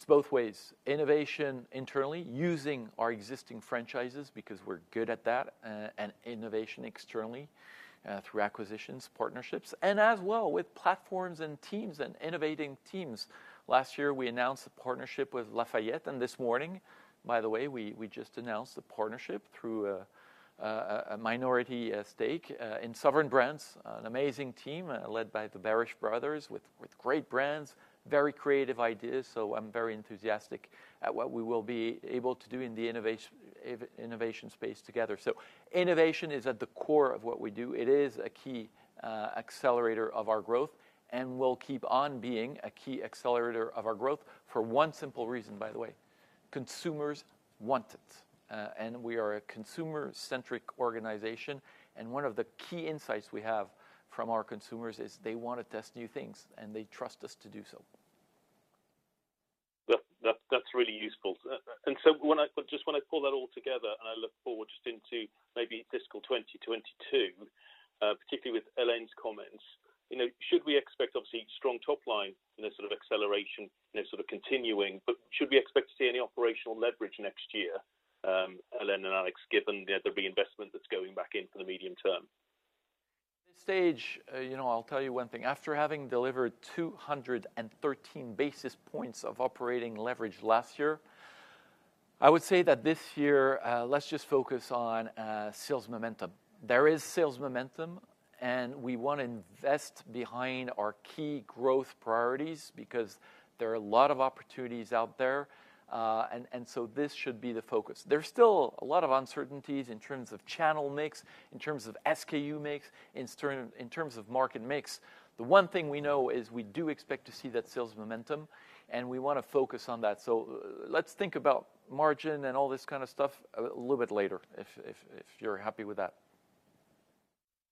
It's both ways. Innovation internally, using our existing franchises because we're good at that, and innovation externally through acquisitions, partnerships. As well with platforms and teams and innovating teams. Last year, we announced a partnership with Lafayette, and this morning, by the way, we just announced a partnership through a minority stake in Sovereign Brands, an amazing team led by the Berish brothers with great brands, very creative ideas. I'm very enthusiastic at what we will be able to do in the innovation space together. Innovation is at the core of what we do. It is a key accelerator of our growth, and will keep on being a key accelerator of our growth for one simple reason, by the way. Consumers want it. We are a consumer-centric organization, and one of the key insights we have from our consumers is they want to test new things, and they trust us to do so. That's really useful. Just when I pull that all together and I look forward just into maybe fiscal 2022, particularly with Hélène's comments, should we expect, obviously, strong top line in a sort of acceleration, continuing, but should we expect to see any operational leverage next year, Hélène and Alex, given the reinvestment that's going back in for the medium term? At this stage, I'll tell you one thing. After having delivered 213 basis points of operating leverage last year, I would say that this year, let's just focus on sales momentum. There is sales momentum. We want to invest behind our key growth priorities because there are a lot of opportunities out there. This should be the focus. There's still a lot of uncertainties in terms of channel mix, in terms of SKU mix, in terms of market mix. The one thing we know is we do expect to see that sales momentum. We want to focus on that. Let's think about margin and all this kind of stuff a little bit later, if you're happy with that.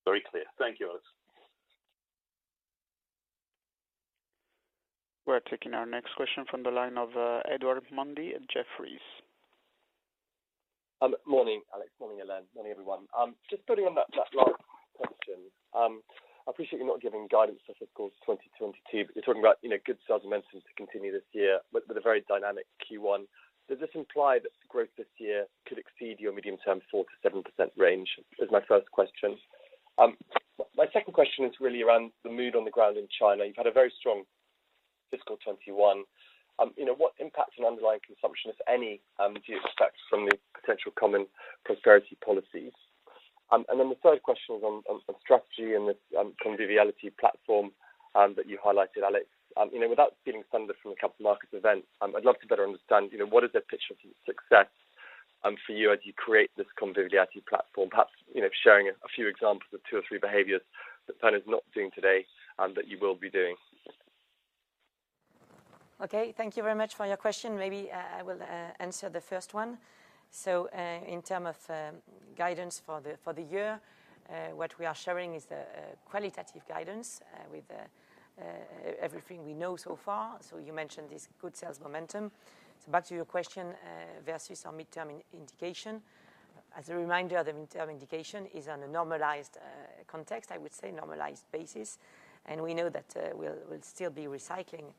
Very clear. Thank you, Alex. We're taking our next question from the line of Edward Mundy at Jefferies. Morning, Alex. Morning, Hélène. Morning, everyone. Just building on that last question, I appreciate you're not giving guidance for fiscal 2022. You're talking about good sales momentum to continue this year with a very dynamic Q1. Does this imply that growth this year could exceed your medium-term 4%-7% range? Is my first question. My second question is really around the mood on the ground in China. You've had a very strong fiscal 2021. What impact on underlying consumption, if any, do you expect from the potential common prosperity policies? The third question is on strategy and the conviviality platform that you highlighted, Alex. Without feeling thunder from the capital markets event, I'd love to better understand what is the picture of success for you as you create this conviviality platform, perhaps sharing a few examples of two or three behaviors that Pernod is not doing today and that you will be doing. Thank you very much for your question. I will answer the first one. In terms of guidance for the year, what we are sharing is the qualitative guidance with everything we know so far. You mentioned this good sales momentum. Back to your question, versus our mid-term indication. As a reminder, the mid-term indication is on a normalized context, I would say normalized basis. We know that we'll still be recycling,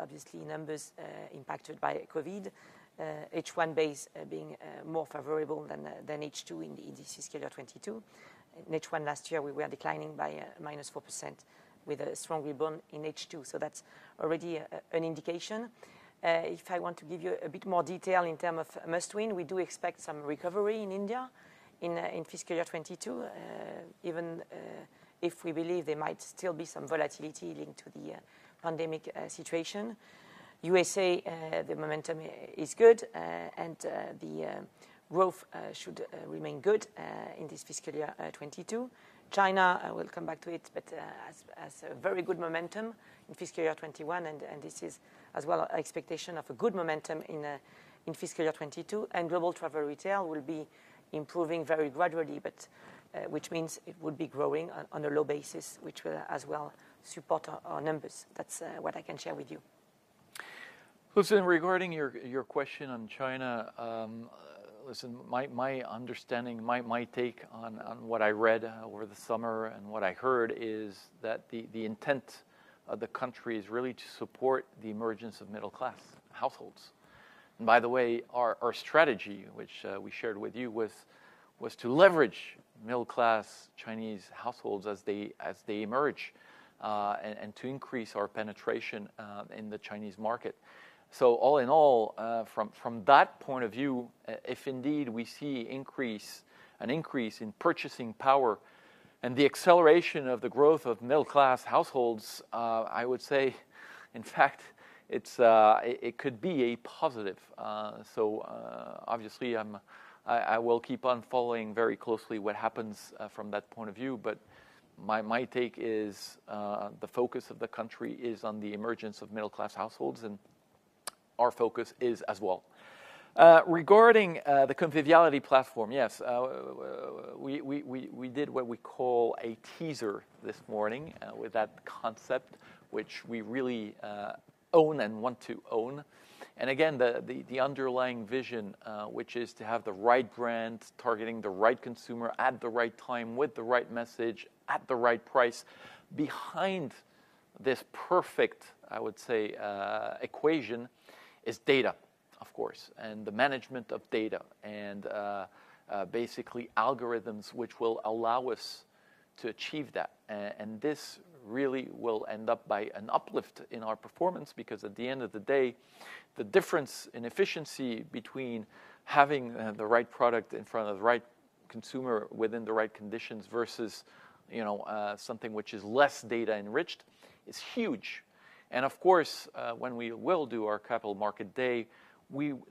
obviously, numbers impacted by COVID. H1 base being more favorable than H2 in the fiscal year 2022. In H1 last year, we were declining by -4% with a strong rebound in H2, that's already an indication. If I want to give you a bit more detail in term of must-win, we do expect some recovery in India in fiscal year 2022, even if we believe there might still be some volatility linked to the pandemic situation. USA, the momentum is good, and the growth should remain good in this fiscal year 2022. China, I will come back to it, but has a very good momentum in fiscal year 2021, and this is as well an expectation of a good momentum in fiscal year 2022. Global travel retail will be improving very gradually, but which means it would be growing on a low basis, which will as well support our numbers. That's what I can share with you. Listen, regarding your question on China, listen, my understanding, my take on what I read over the summer and what I heard is that the intent of the country is really to support the emergence of middle-class households. By the way, our strategy, which we shared with you, was to leverage middle-class Chinese households as they emerge, and to increase our penetration in the Chinese market. All in all, from that point of view, if indeed we see an increase in purchasing power and the acceleration of the growth of middle-class households, I would say, in fact, it could be a positive. Obviously, I will keep on following very closely what happens from that point of view. My take is the focus of the country is on the emergence of middle-class households and our focus is as well. Regarding the Conviviality platform, yes, we did what we call a teaser this morning with that concept, which we really own and want to own. Again, the underlying vision, which is to have the right brand targeting the right consumer at the right time with the right message at the right price. Behind this perfect, I would say, equation is data, of course, and the management of data, and basically algorithms which will allow us to achieve that. This really will end up by an uplift in our performance, because at the end of the day, the difference in efficiency between having the right product in front of the right consumer within the right conditions versus something which is less data enriched, is huge. Of course, when we will do our capital market day,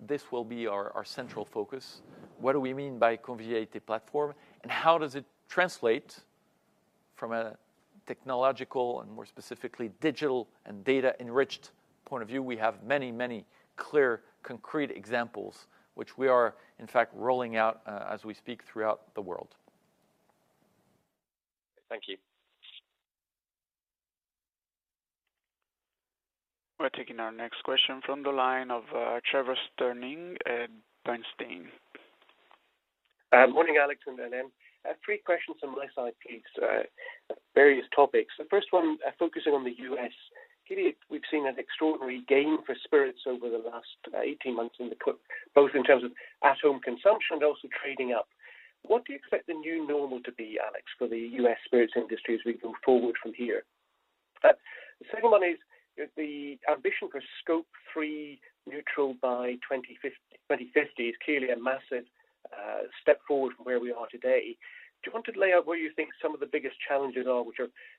this will be our central focus. What do we mean by Conviviality Platform, and how does it translate from a technological, and more specifically, digital and data-enriched point of view? We have many, many clear, concrete examples, which we are, in fact, rolling out as we speak throughout the world. Thank you. We're taking our next question from the line of Trevor Stirling at Bernstein. Morning, Alex and Hélène. I have three questions from my side, please, various topics. The first one, focusing on the U.S. Clearly, we've seen an extraordinary gain for spirits over the last 18 months, both in terms of at-home consumption, and also trading up. What do you expect the new normal to be, Alex, for the U.S. spirits industry as we go forward from here? The second one is the ambition for Scope 3 neutral by 2050 is clearly a massive step forward from where we are today. Do you want to lay out where you think some of the biggest challenges are?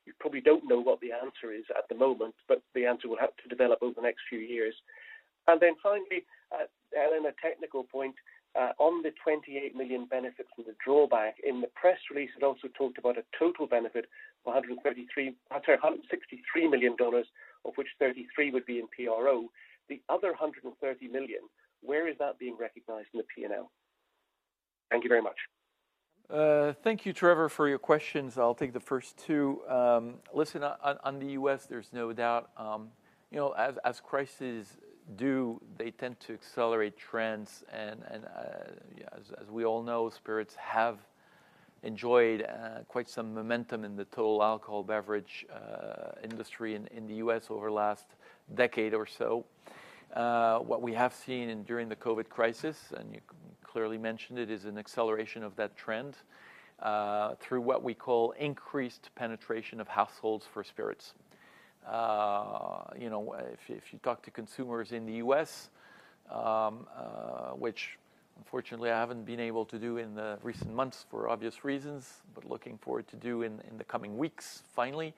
You probably don't know what the answer is at the moment, the answer will have to develop over the next few years. Finally, Hélène, a technical point, on the 28 million benefits and the drawback. In the press release, it also talked about a total benefit of EUR 163 million, of which 33 million would be in PRO. The other 130 million, where is that being recognized in the P&L? Thank you very much. Thank you, Trevor, for your questions. I'll take the first two. On the U.S., there's no doubt, as crises do, they tend to accelerate trends, and as we all know, spirits have enjoyed quite some momentum in the total alcohol beverage industry in the U.S. over the last decade or so. What we have seen during the COVID crisis, and you clearly mentioned it, is an acceleration of that trend, through what we call increased penetration of households for spirits. If you talk to consumers in the U.S., which unfortunately I haven't been able to do in the recent months for obvious reasons, but looking forward to do in the coming weeks finally.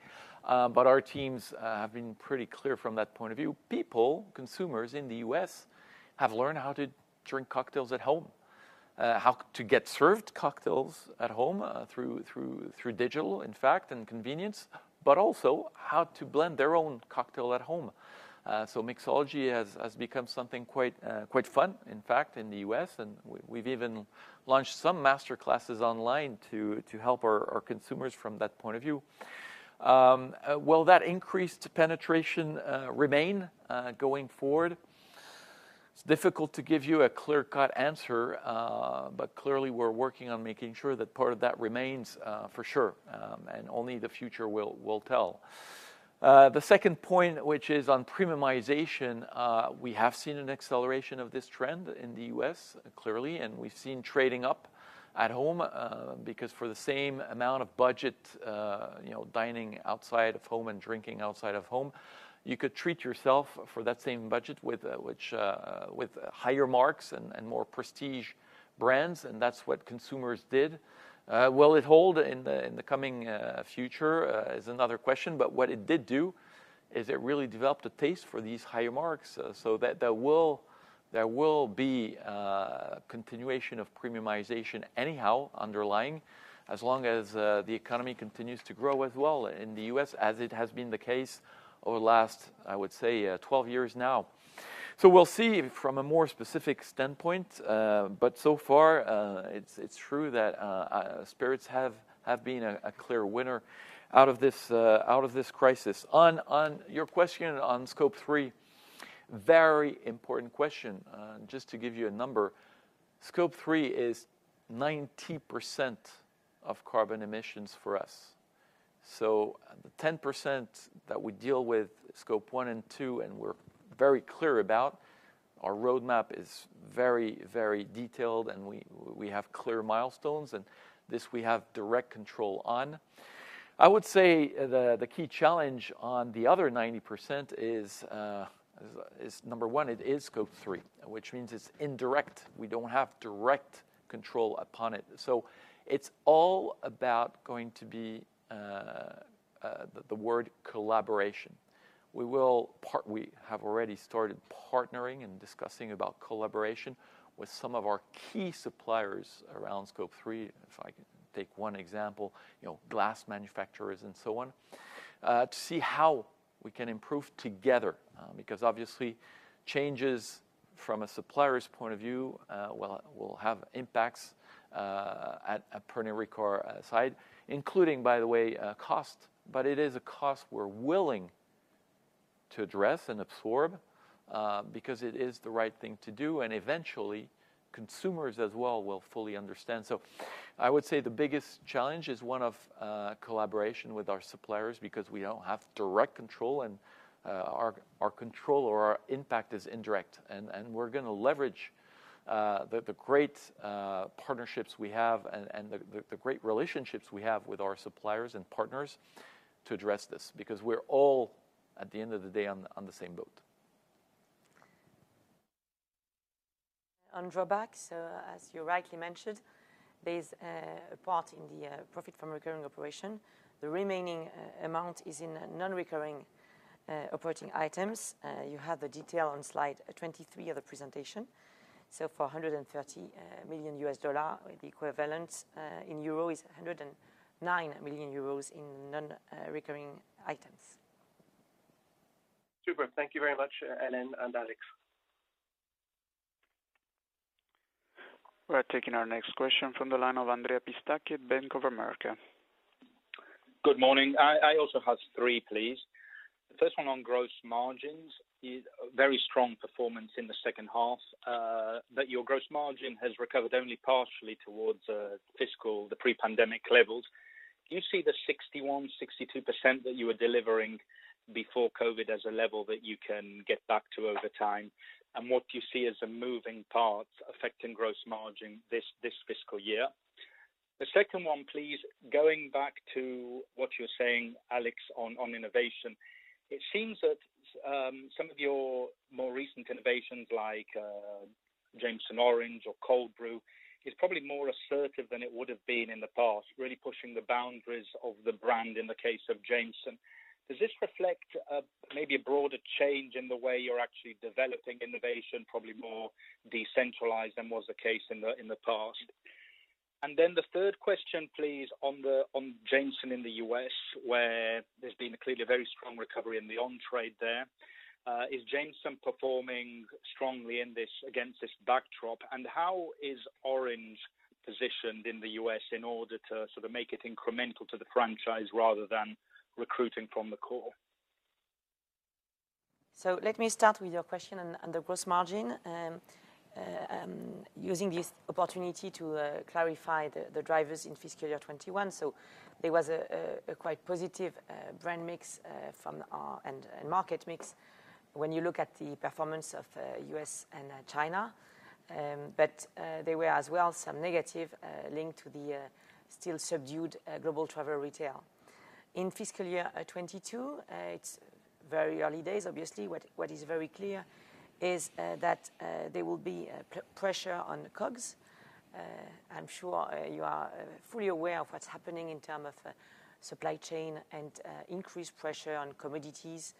Our teams have been pretty clear from that point of view. People, consumers in the U.S., have learned how to drink cocktails at home, how to get served cocktails at home through digital, in fact, and convenience, also how to blend their own cocktail at home. Mixology has become something quite fun, in fact, in the U.S., we've even launched some master classes online to help our consumers from that point of view. Will that increased penetration remain, going forward? It's difficult to give you a clear-cut answer. Clearly, we're working on making sure that part of that remains for sure, only the future will tell. The second point, which is on premiumization, we have seen an acceleration of this trend in the U.S., clearly, we've seen trading up at home. For the same amount of budget, dining outside of home and drinking outside of home, you could treat yourself for that same budget with higher marques and more prestige brands, and that's what consumers did. Will it hold in the coming future is another question. What it did do is it really developed a taste for these highermarques, so there will be a continuation of premiumization anyhow underlying, as long as the economy continues to grow as well in the U.S., as it has been the case over the last, I would say, 12 years now. We'll see from a more specific standpoint, but so far, it's true that spirits have been a clear winner out of this crisis. On your question on Scope 3, very important question. Just to give you a number, Scope 3 is 90% of carbon emissions for us. The 10% that we deal with, Scope 1 and 2, and we're very clear about, our roadmap is very detailed, and we have clear milestones, and this we have direct control on. I would say the key challenge on the other 90% is, number 1, it is Scope 3, which means it's indirect. We don't have direct control upon it. It's all about going to be the word collaboration. We have already started partnering and discussing about collaboration with some of our key suppliers around Scope 3, if I can take one example, glass manufacturers and so on, to see how we can improve together. Obviously, changes from a supplier's point of view, will have impacts at a Pernod Ricard side, including, by the way, cost. It is a cost we're willing to address and absorb, because it is the right thing to do, and eventually, consumers as well will fully understand. I would say the biggest challenge is one of collaboration with our suppliers, because we don't have direct control, and our control or our impact is indirect. We're going to leverage the great partnerships we have and the great relationships we have with our suppliers and partners to address this, because we're all, at the end of the day, on the same boat. On drawbacks, as you rightly mentioned, there's a part in the Profit from Recurring Operations. The remaining amount is in non-recurring operating items. You have the detail on slide 23 of the presentation. For $130 million, the equivalent in euro is 109 million euros in non-recurring items. Super. Thank you very much, Hélène and Alex. We're taking our next question from the line of Andrea Pistacchi, Bank of America. Good morning. I also have three, please. The first one on gross margins. Your gross margin has recovered only partially towards fiscal, the pre-pandemic levels. Do you see the 61%, 62% that you were delivering before COVID as a level that you can get back to over time? What do you see as a moving part affecting gross margin this fiscal year? The second one, please, going back to what you were saying, Alex, on innovation. It seems that some of your more recent innovations, like Jameson Orange or Cold Brew, is probably more assertive than it would've been in the past, really pushing the boundaries of the brand in the case of Jameson. Does this reflect maybe a broader change in the way you're actually developing innovation, probably more decentralized than was the case in the past? The third question, please, on Jameson in the U.S., where there's been clearly a very strong recovery in the on-trade there. Is Jameson performing strongly against this backdrop? How is Orange positioned in the U.S. in order to make it incremental to the franchise rather than recruiting from the core? Let me start with your question on the gross margin, using this opportunity to clarify the drivers in fiscal year 2021. There was a quite positive brand mix and market mix when you look at the performance of U.S. and China. There were as well some negative linked to the still subdued global travel retail. In fiscal year 2022, it's very early days, obviously. What is very clear is that there will be pressure on COGS. I'm sure you are fully aware of what's happening in term of supply chain and increased pressure on commodities,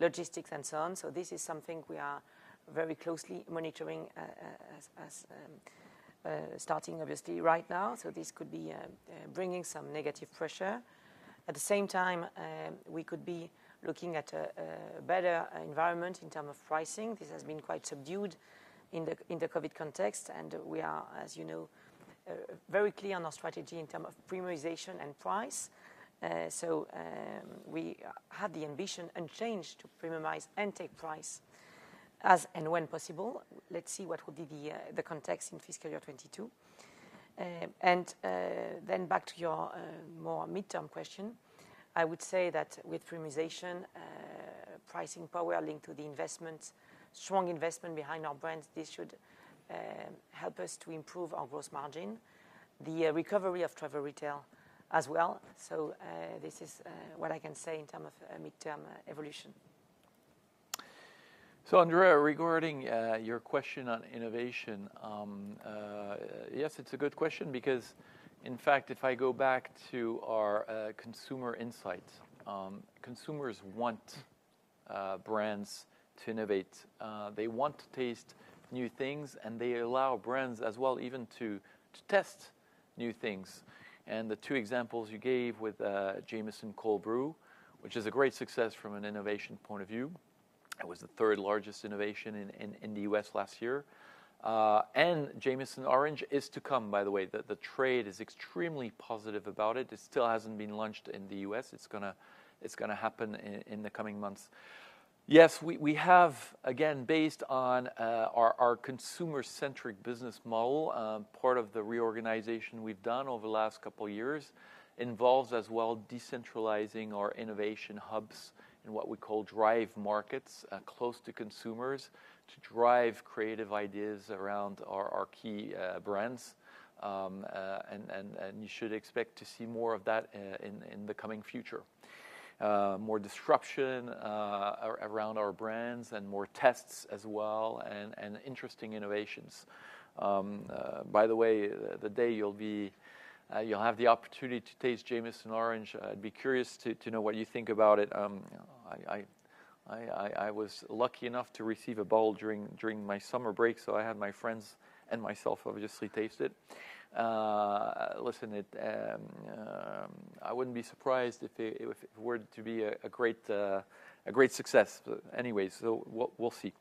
logistics, and so on. This is something we are very closely monitoring, starting obviously right now. This could be bringing some negative pressure. At the same time, we could be looking at a better environment in term of pricing. This has been quite subdued in the COVID context. We are, as you know, very clear on our strategy in term of premiumization and price. We have the ambition and change to premiumize and take price as and when possible. Let's see what will be the context in fiscal year 2022. Back to your more midterm question. I would say that with premiumization, pricing power linked to the investment, strong investment behind our brands, this should help us to improve our gross margin. The recovery of travel retail as well. This is what I can say in term of midterm evolution. Andrea, regarding your question on innovation, yes, it's a good question because, in fact, if I go back to our consumer insights, consumers want brands to innovate. They want to taste new things, and they allow brands as well even to test new things. The two examples you gave with Jameson Cold Brew, which is a great success from an innovation point of view. It was the third largest innovation in the U.S. last year. Jameson Orange is to come, by the way. The trade is extremely positive about it. It still hasn't been launched in the U.S. It's going to happen in the coming months. Yes, we have, again, based on our consumer-centric business model, part of the reorganization we've done over the last couple of years involves as well decentralizing our innovation hubs in what we call drive markets, close to consumers to drive creative ideas around our key brands. You should expect to see more of that in the coming future. More disruption around our brands and more tests as well, and interesting innovations. By the way, the day you'll have the opportunity to taste Jameson Orange, I'd be curious to know what you think about it. I was lucky enough to receive a bottle during my summer break, so I had my friends and myself obviously taste it. Listen, I wouldn't be surprised if it were to be a great success. Anyways, we'll see.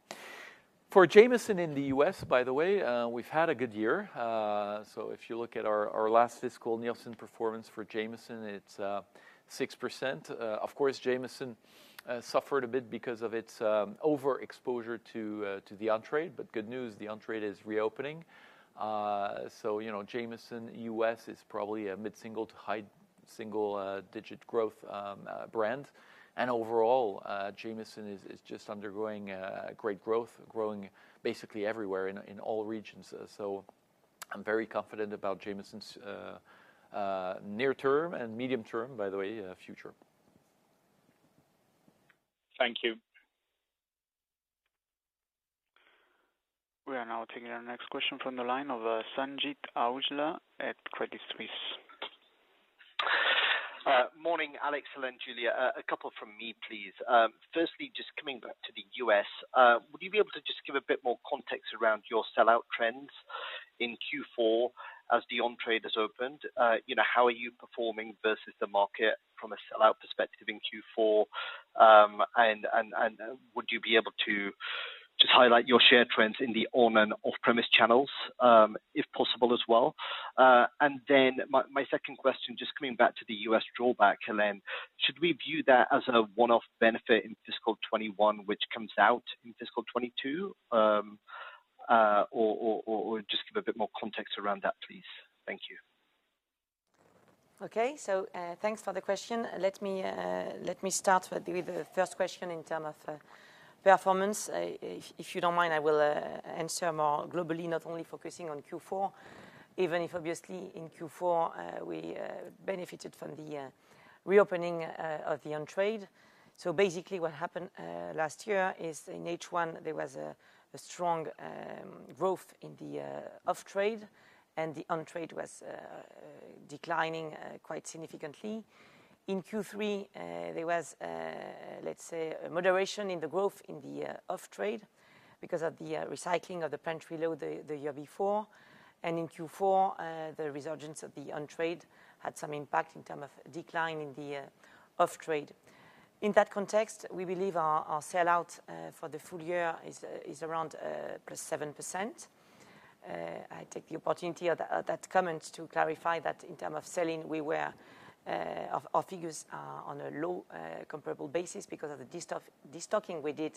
For Jameson in the U.S., by the way, we've had a good year. If you look at our last fiscal Nielsen performance for Jameson, it's 6%. Of course, Jameson suffered a bit because of its overexposure to the on-trade. Good news, the on-trade is reopening. Jameson U.S. is probably a mid-single to high-single-digit growth brand. Overall, Jameson is just undergoing great growth, growing basically everywhere in all regions. I'm very confident about Jameson's near-term and medium-term, by the way, in the future. Thank you. We are now taking our next question from the line of Sanjeet Aujla at Credit Suisse. Morning, Alex, Hélène, Julia. A couple from me, please. Firstly, just coming back to the U.S., would you be able to just give a bit more context around your sellout trends in Q4 as the on-trade has opened? How are you performing versus the market from a sellout perspective in Q4? Would you be able to just highlight your share trends in the on and off-premise channels, if possible, as well? My second question, just coming back to the U.S. drawback, Hélène, should we view that as a one-off benefit in fiscal 2021, which comes out in fiscal 2022? Just give a bit more context around that, please. Thank you. Okay. Thanks for the question. Let me start with the first question in terms of performance. If you don't mind, I will answer more globally, not only focusing on Q4, even if obviously in Q4, we benefited from the reopening of the on-trade. Basically what happened last year is in H1 there was a strong growth in the off-trade, and the on-trade was declining quite significantly. In Q3, there was, let's say, a moderation in the growth in the off-trade because of the recycling of the pantry load the year before. In Q4, the resurgence of the on-trade had some impact in terms of decline in the off-trade. In that context, we believe our sellout for the full year is around +7%. I take the opportunity of that comment to clarify that in terms of selling, our figures are on a low comparable basis because of the de-stocking we did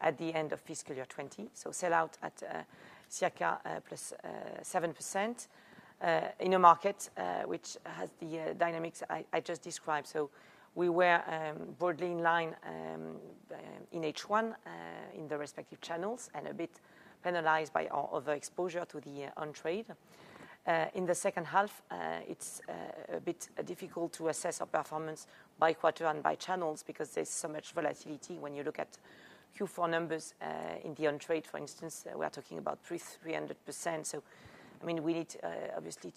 at the end of fiscal year 2020. Sellout at circa +7% in a market which has the dynamics I just described. We were broadly in line in H1, in the respective channels, and a bit penalized by our overexposure to the on-trade. In the second half, it's a bit difficult to assess our performance by quarter and by channels because there's so much volatility when you look at Q4 numbers. In the on-trade, for instance, we are talking about 300%. We need obviously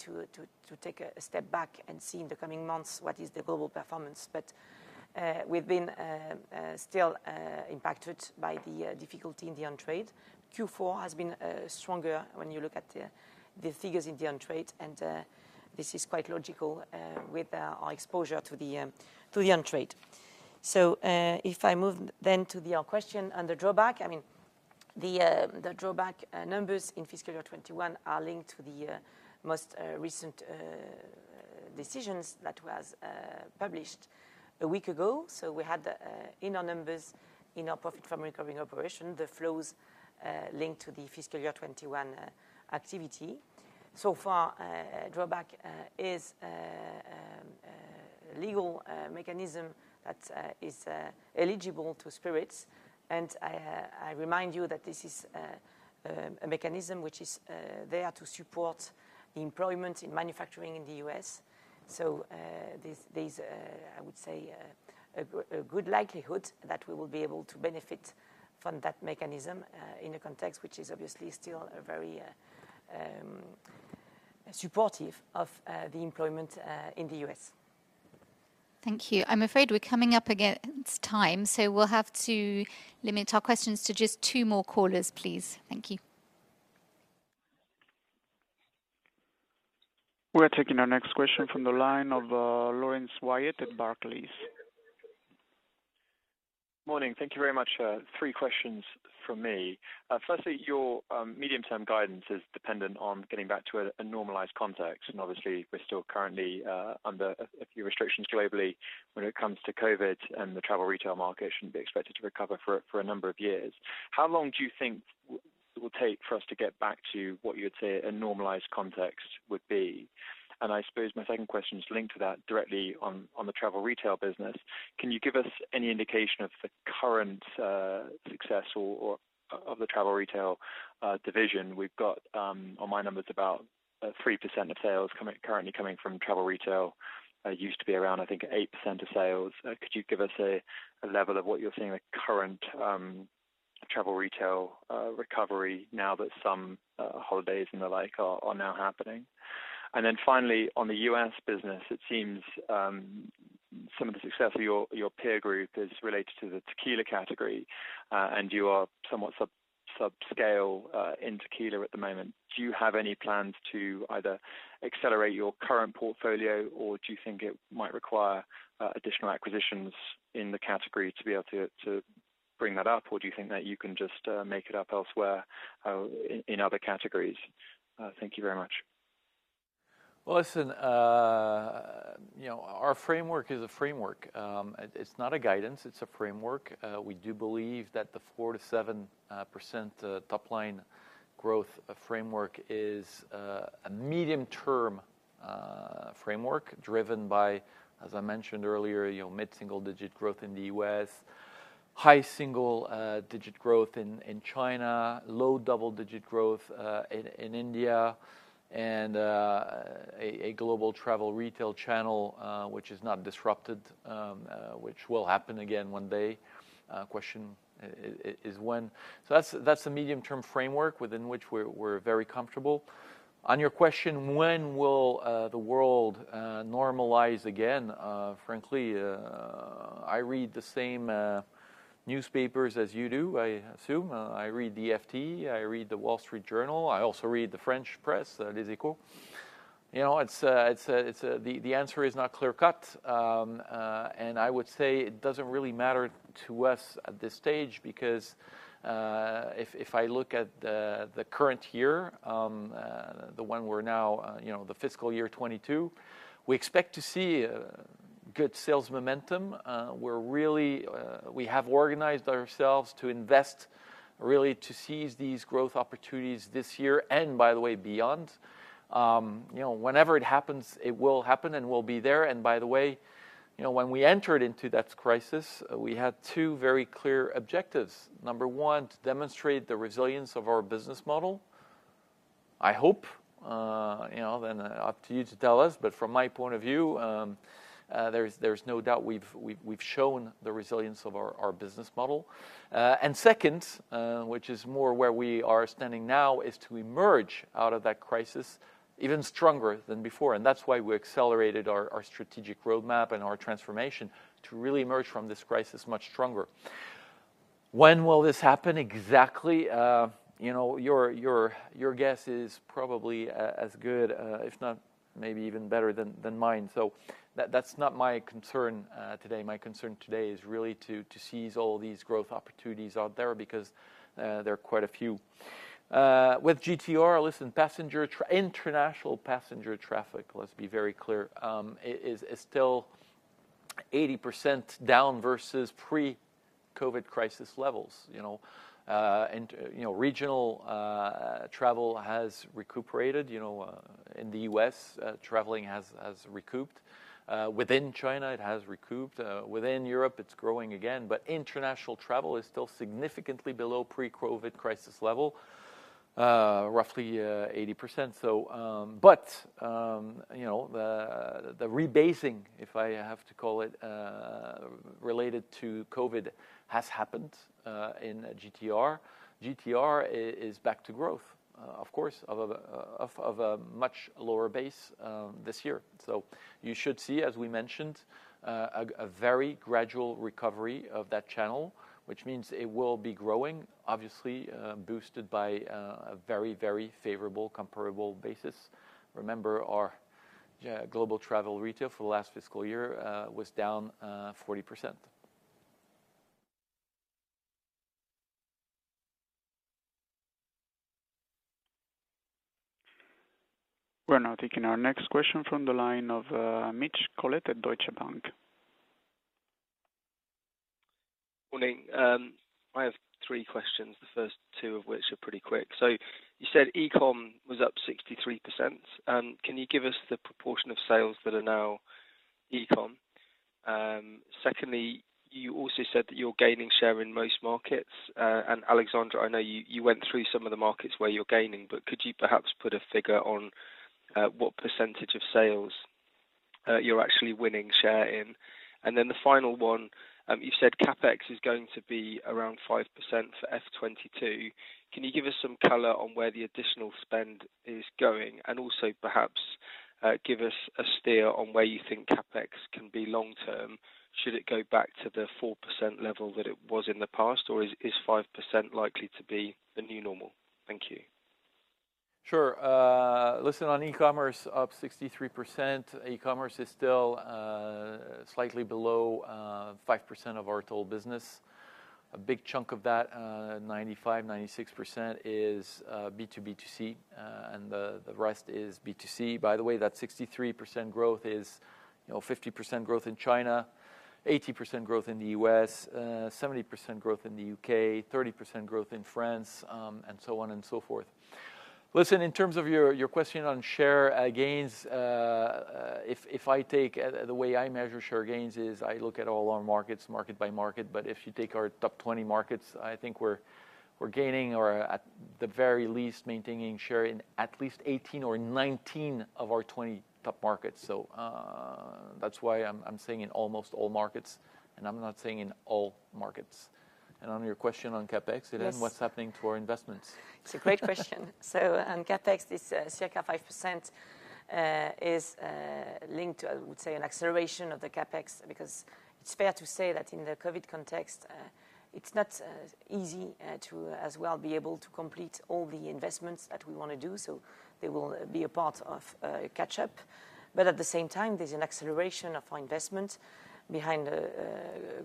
to take a step back and see in the coming months what is the global performance. We've been still impacted by the difficulty in the on-trade. Q4 has been stronger when you look at the figures in the on-trade. This is quite logical, with our exposure to the on-trade. If I move to your question on the drawback, the drawback numbers in fiscal year 2021 are linked to the most recent decisions that was published a week ago. We had in our numbers, in our Profit from Recurring Operations, the flows linked to the fiscal year 2021 activity. So far, drawback is a legal mechanism that is eligible to Spirits, I remind you that this is a mechanism which is there to support the employment in manufacturing in the U.S. There's, I would say, a good likelihood that we will be able to benefit from that mechanism, in a context which is obviously still very supportive of the employment in the U.S. Thank you. I'm afraid we're coming up against time. We'll have to limit our questions to just two more callers, please. Thank you. We're taking our next question from the line of Laurence Whyatt at Barclays. Morning. Thank you very much. Three questions from me. Your medium-term guidance is dependent on getting back to a normalized context. Obviously, we're still currently under a few restrictions globally when it comes to COVID and the travel retail market shouldn't be expected to recover for a number of years. How long do you think it will take for us to get back to what you would say a normalized context would be? I suppose my second question is linked to that directly on the travel retail business. Can you give us any indication of the current success of the travel retail division? We've got, on my numbers, about 3% of sales currently coming from travel retail. It used to be around, I think, 8% of sales. Could you give us a level of what you're seeing the current travel retail recovery now that some holidays and the like are now happening? Finally, on the U.S. business, it seems some of the success of your peer group is related to the tequila category, and you are somewhat subscale in tequila at the moment. Do you have any plans to either accelerate your current portfolio, or do you think it might require additional acquisitions in the category to be able to bring that up, or do you think that you can just make it up elsewhere in other categories? Thank you very much. Well, listen. Our framework is a framework. It's not a guidance, it's a framework. We do believe that the 4%-7% top-line growth framework is a medium-term framework driven by, as I mentioned earlier, mid-single digit growth in the U.S., high single-digit growth in China, low double-digit growth in India, and a global travel retail channel, which is not disrupted, which will happen again one day. Question is when. That's the medium-term framework within which we're very comfortable. On your question, when will the world normalize again? Frankly, I read the same newspapers as you do, I assume. I read the Financial Times, I read The Wall Street Journal. I also read the French press, "Les Echos." The answer is not clear cut. I would say it doesn't really matter to us at this stage, because if I look at the current year, the one we're now the fiscal year 2022, we expect to see good sales momentum. We have organized ourselves to invest, really to seize these growth opportunities this year, and by the way, beyond. Whenever it happens, it will happen, and we'll be there. By the way, when we entered into that crisis, we had two very clear objectives. Number 1, to demonstrate the resilience of our business model. I hope, then up to you to tell us, but from my point of view, there's no doubt we've shown the resilience of our business model. Second, which is more where we are standing now, is to emerge out of that crisis even stronger than before. That's why we accelerated our strategic roadmap and our transformation to really emerge from this crisis much stronger. When will this happen exactly? Your guess is probably as good, if not maybe even better than mine. That's not my concern today. My concern today is really to seize all these growth opportunities out there, because there are quite a few. With GTR, listen, international passenger traffic, let's be very clear, is still 80% down versus pre-COVID crisis levels. Regional travel has recuperated. In the U.S., traveling has recouped. Within China, it has recouped. Within Europe, it's growing again, but international travel is still significantly below pre-COVID crisis level, roughly 80%. The rebasing, if I have to call it, related to COVID, has happened in GTR. GTR is back to growth, of course, of a much lower base this year. You should see, as we mentioned, a very gradual recovery of that channel, which means it will be growing, obviously boosted by a very, very favorable comparable basis. Remember, our global travel retail for the last fiscal year was down 40%. We're now taking our next question from the line of Mitch Collett at Deutsche Bank. Morning. I have three questions, the first two of which are pretty quick. You said e-com was up 63%. Can you give us the proportion of sales that are now e-com? Secondly, you also said that you're gaining share in most markets. Alexandre, I know you went through some of the markets where you're gaining, but could you perhaps put a figure on what % of sales you're actually winning share in? The final one, you said CapEx is going to be around 5% for FY 2022. Can you give us some color on where the additional spend is going? Also perhaps give us a steer on where you think CapEx can be long-term. Should it go back to the 4% level that it was in the past, or is 5% likely to be the new normal? Thank you. Sure. Listen, on e-commerce up 63%, e-commerce is still slightly below 5% of our total business. A big chunk of that, 95%, 96%, is B2B2C, and the rest is B2C. By the way, that 63% growth is 50% growth in China, 80% growth in the U.S., 70% growth in the U.K., 30% growth in France, and so on and so forth. Listen, in terms of your question on share gains, the way I measure share gains is I look at all our markets, market by market. If you take our top 20 markets, I think we're gaining or at the very least maintaining share in at least 18 or 19 of our 20 top markets. That's why I'm saying in almost all markets, and I'm not saying in all markets. On your question on CapEx- Yes. -Hélène, what's happening to our investments? It's a great question. On CapEx, this circa 5% is linked to, I would say, an acceleration of the CapEx, because it's fair to say that in the COVID context, it's not easy to as well be able to complete all the investments that we want to do. They will be a part of a catch-up. At the same time, there's an acceleration of our investment behind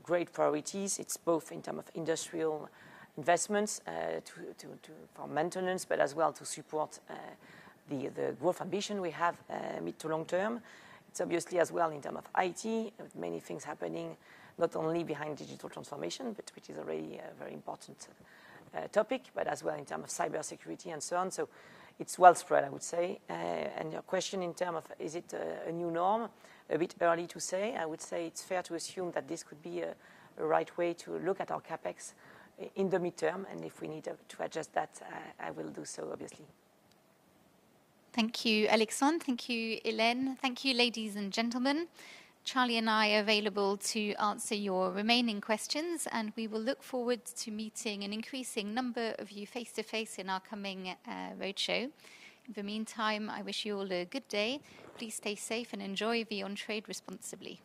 great priorities. It's both in terms of industrial investments for maintenance, but as well to support the growth ambition we have mid to long term. It's obviously as well in terms of IT, with many things happening, not only behind digital transformation, but which is a very important topic, but as well in terms of cybersecurity and so on. It's well spread, I would say. Your question in terms of is it a new norm? A bit early to say. I would say it's fair to assume that this could be a right way to look at our CapEx in the midterm, and if we need to adjust that, I will do so, obviously. Thank you, Alexandre. Thank you, Hélène. Thank you, ladies and gentlemen. Charlie and I are available to answer your remaining questions, and we will look forward to meeting an increasing number of you face-to-face in our coming roadshow. In the meantime, I wish you all a good day. Please stay safe and enjoy the on-trade responsibly.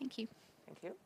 Thank you. Thank you.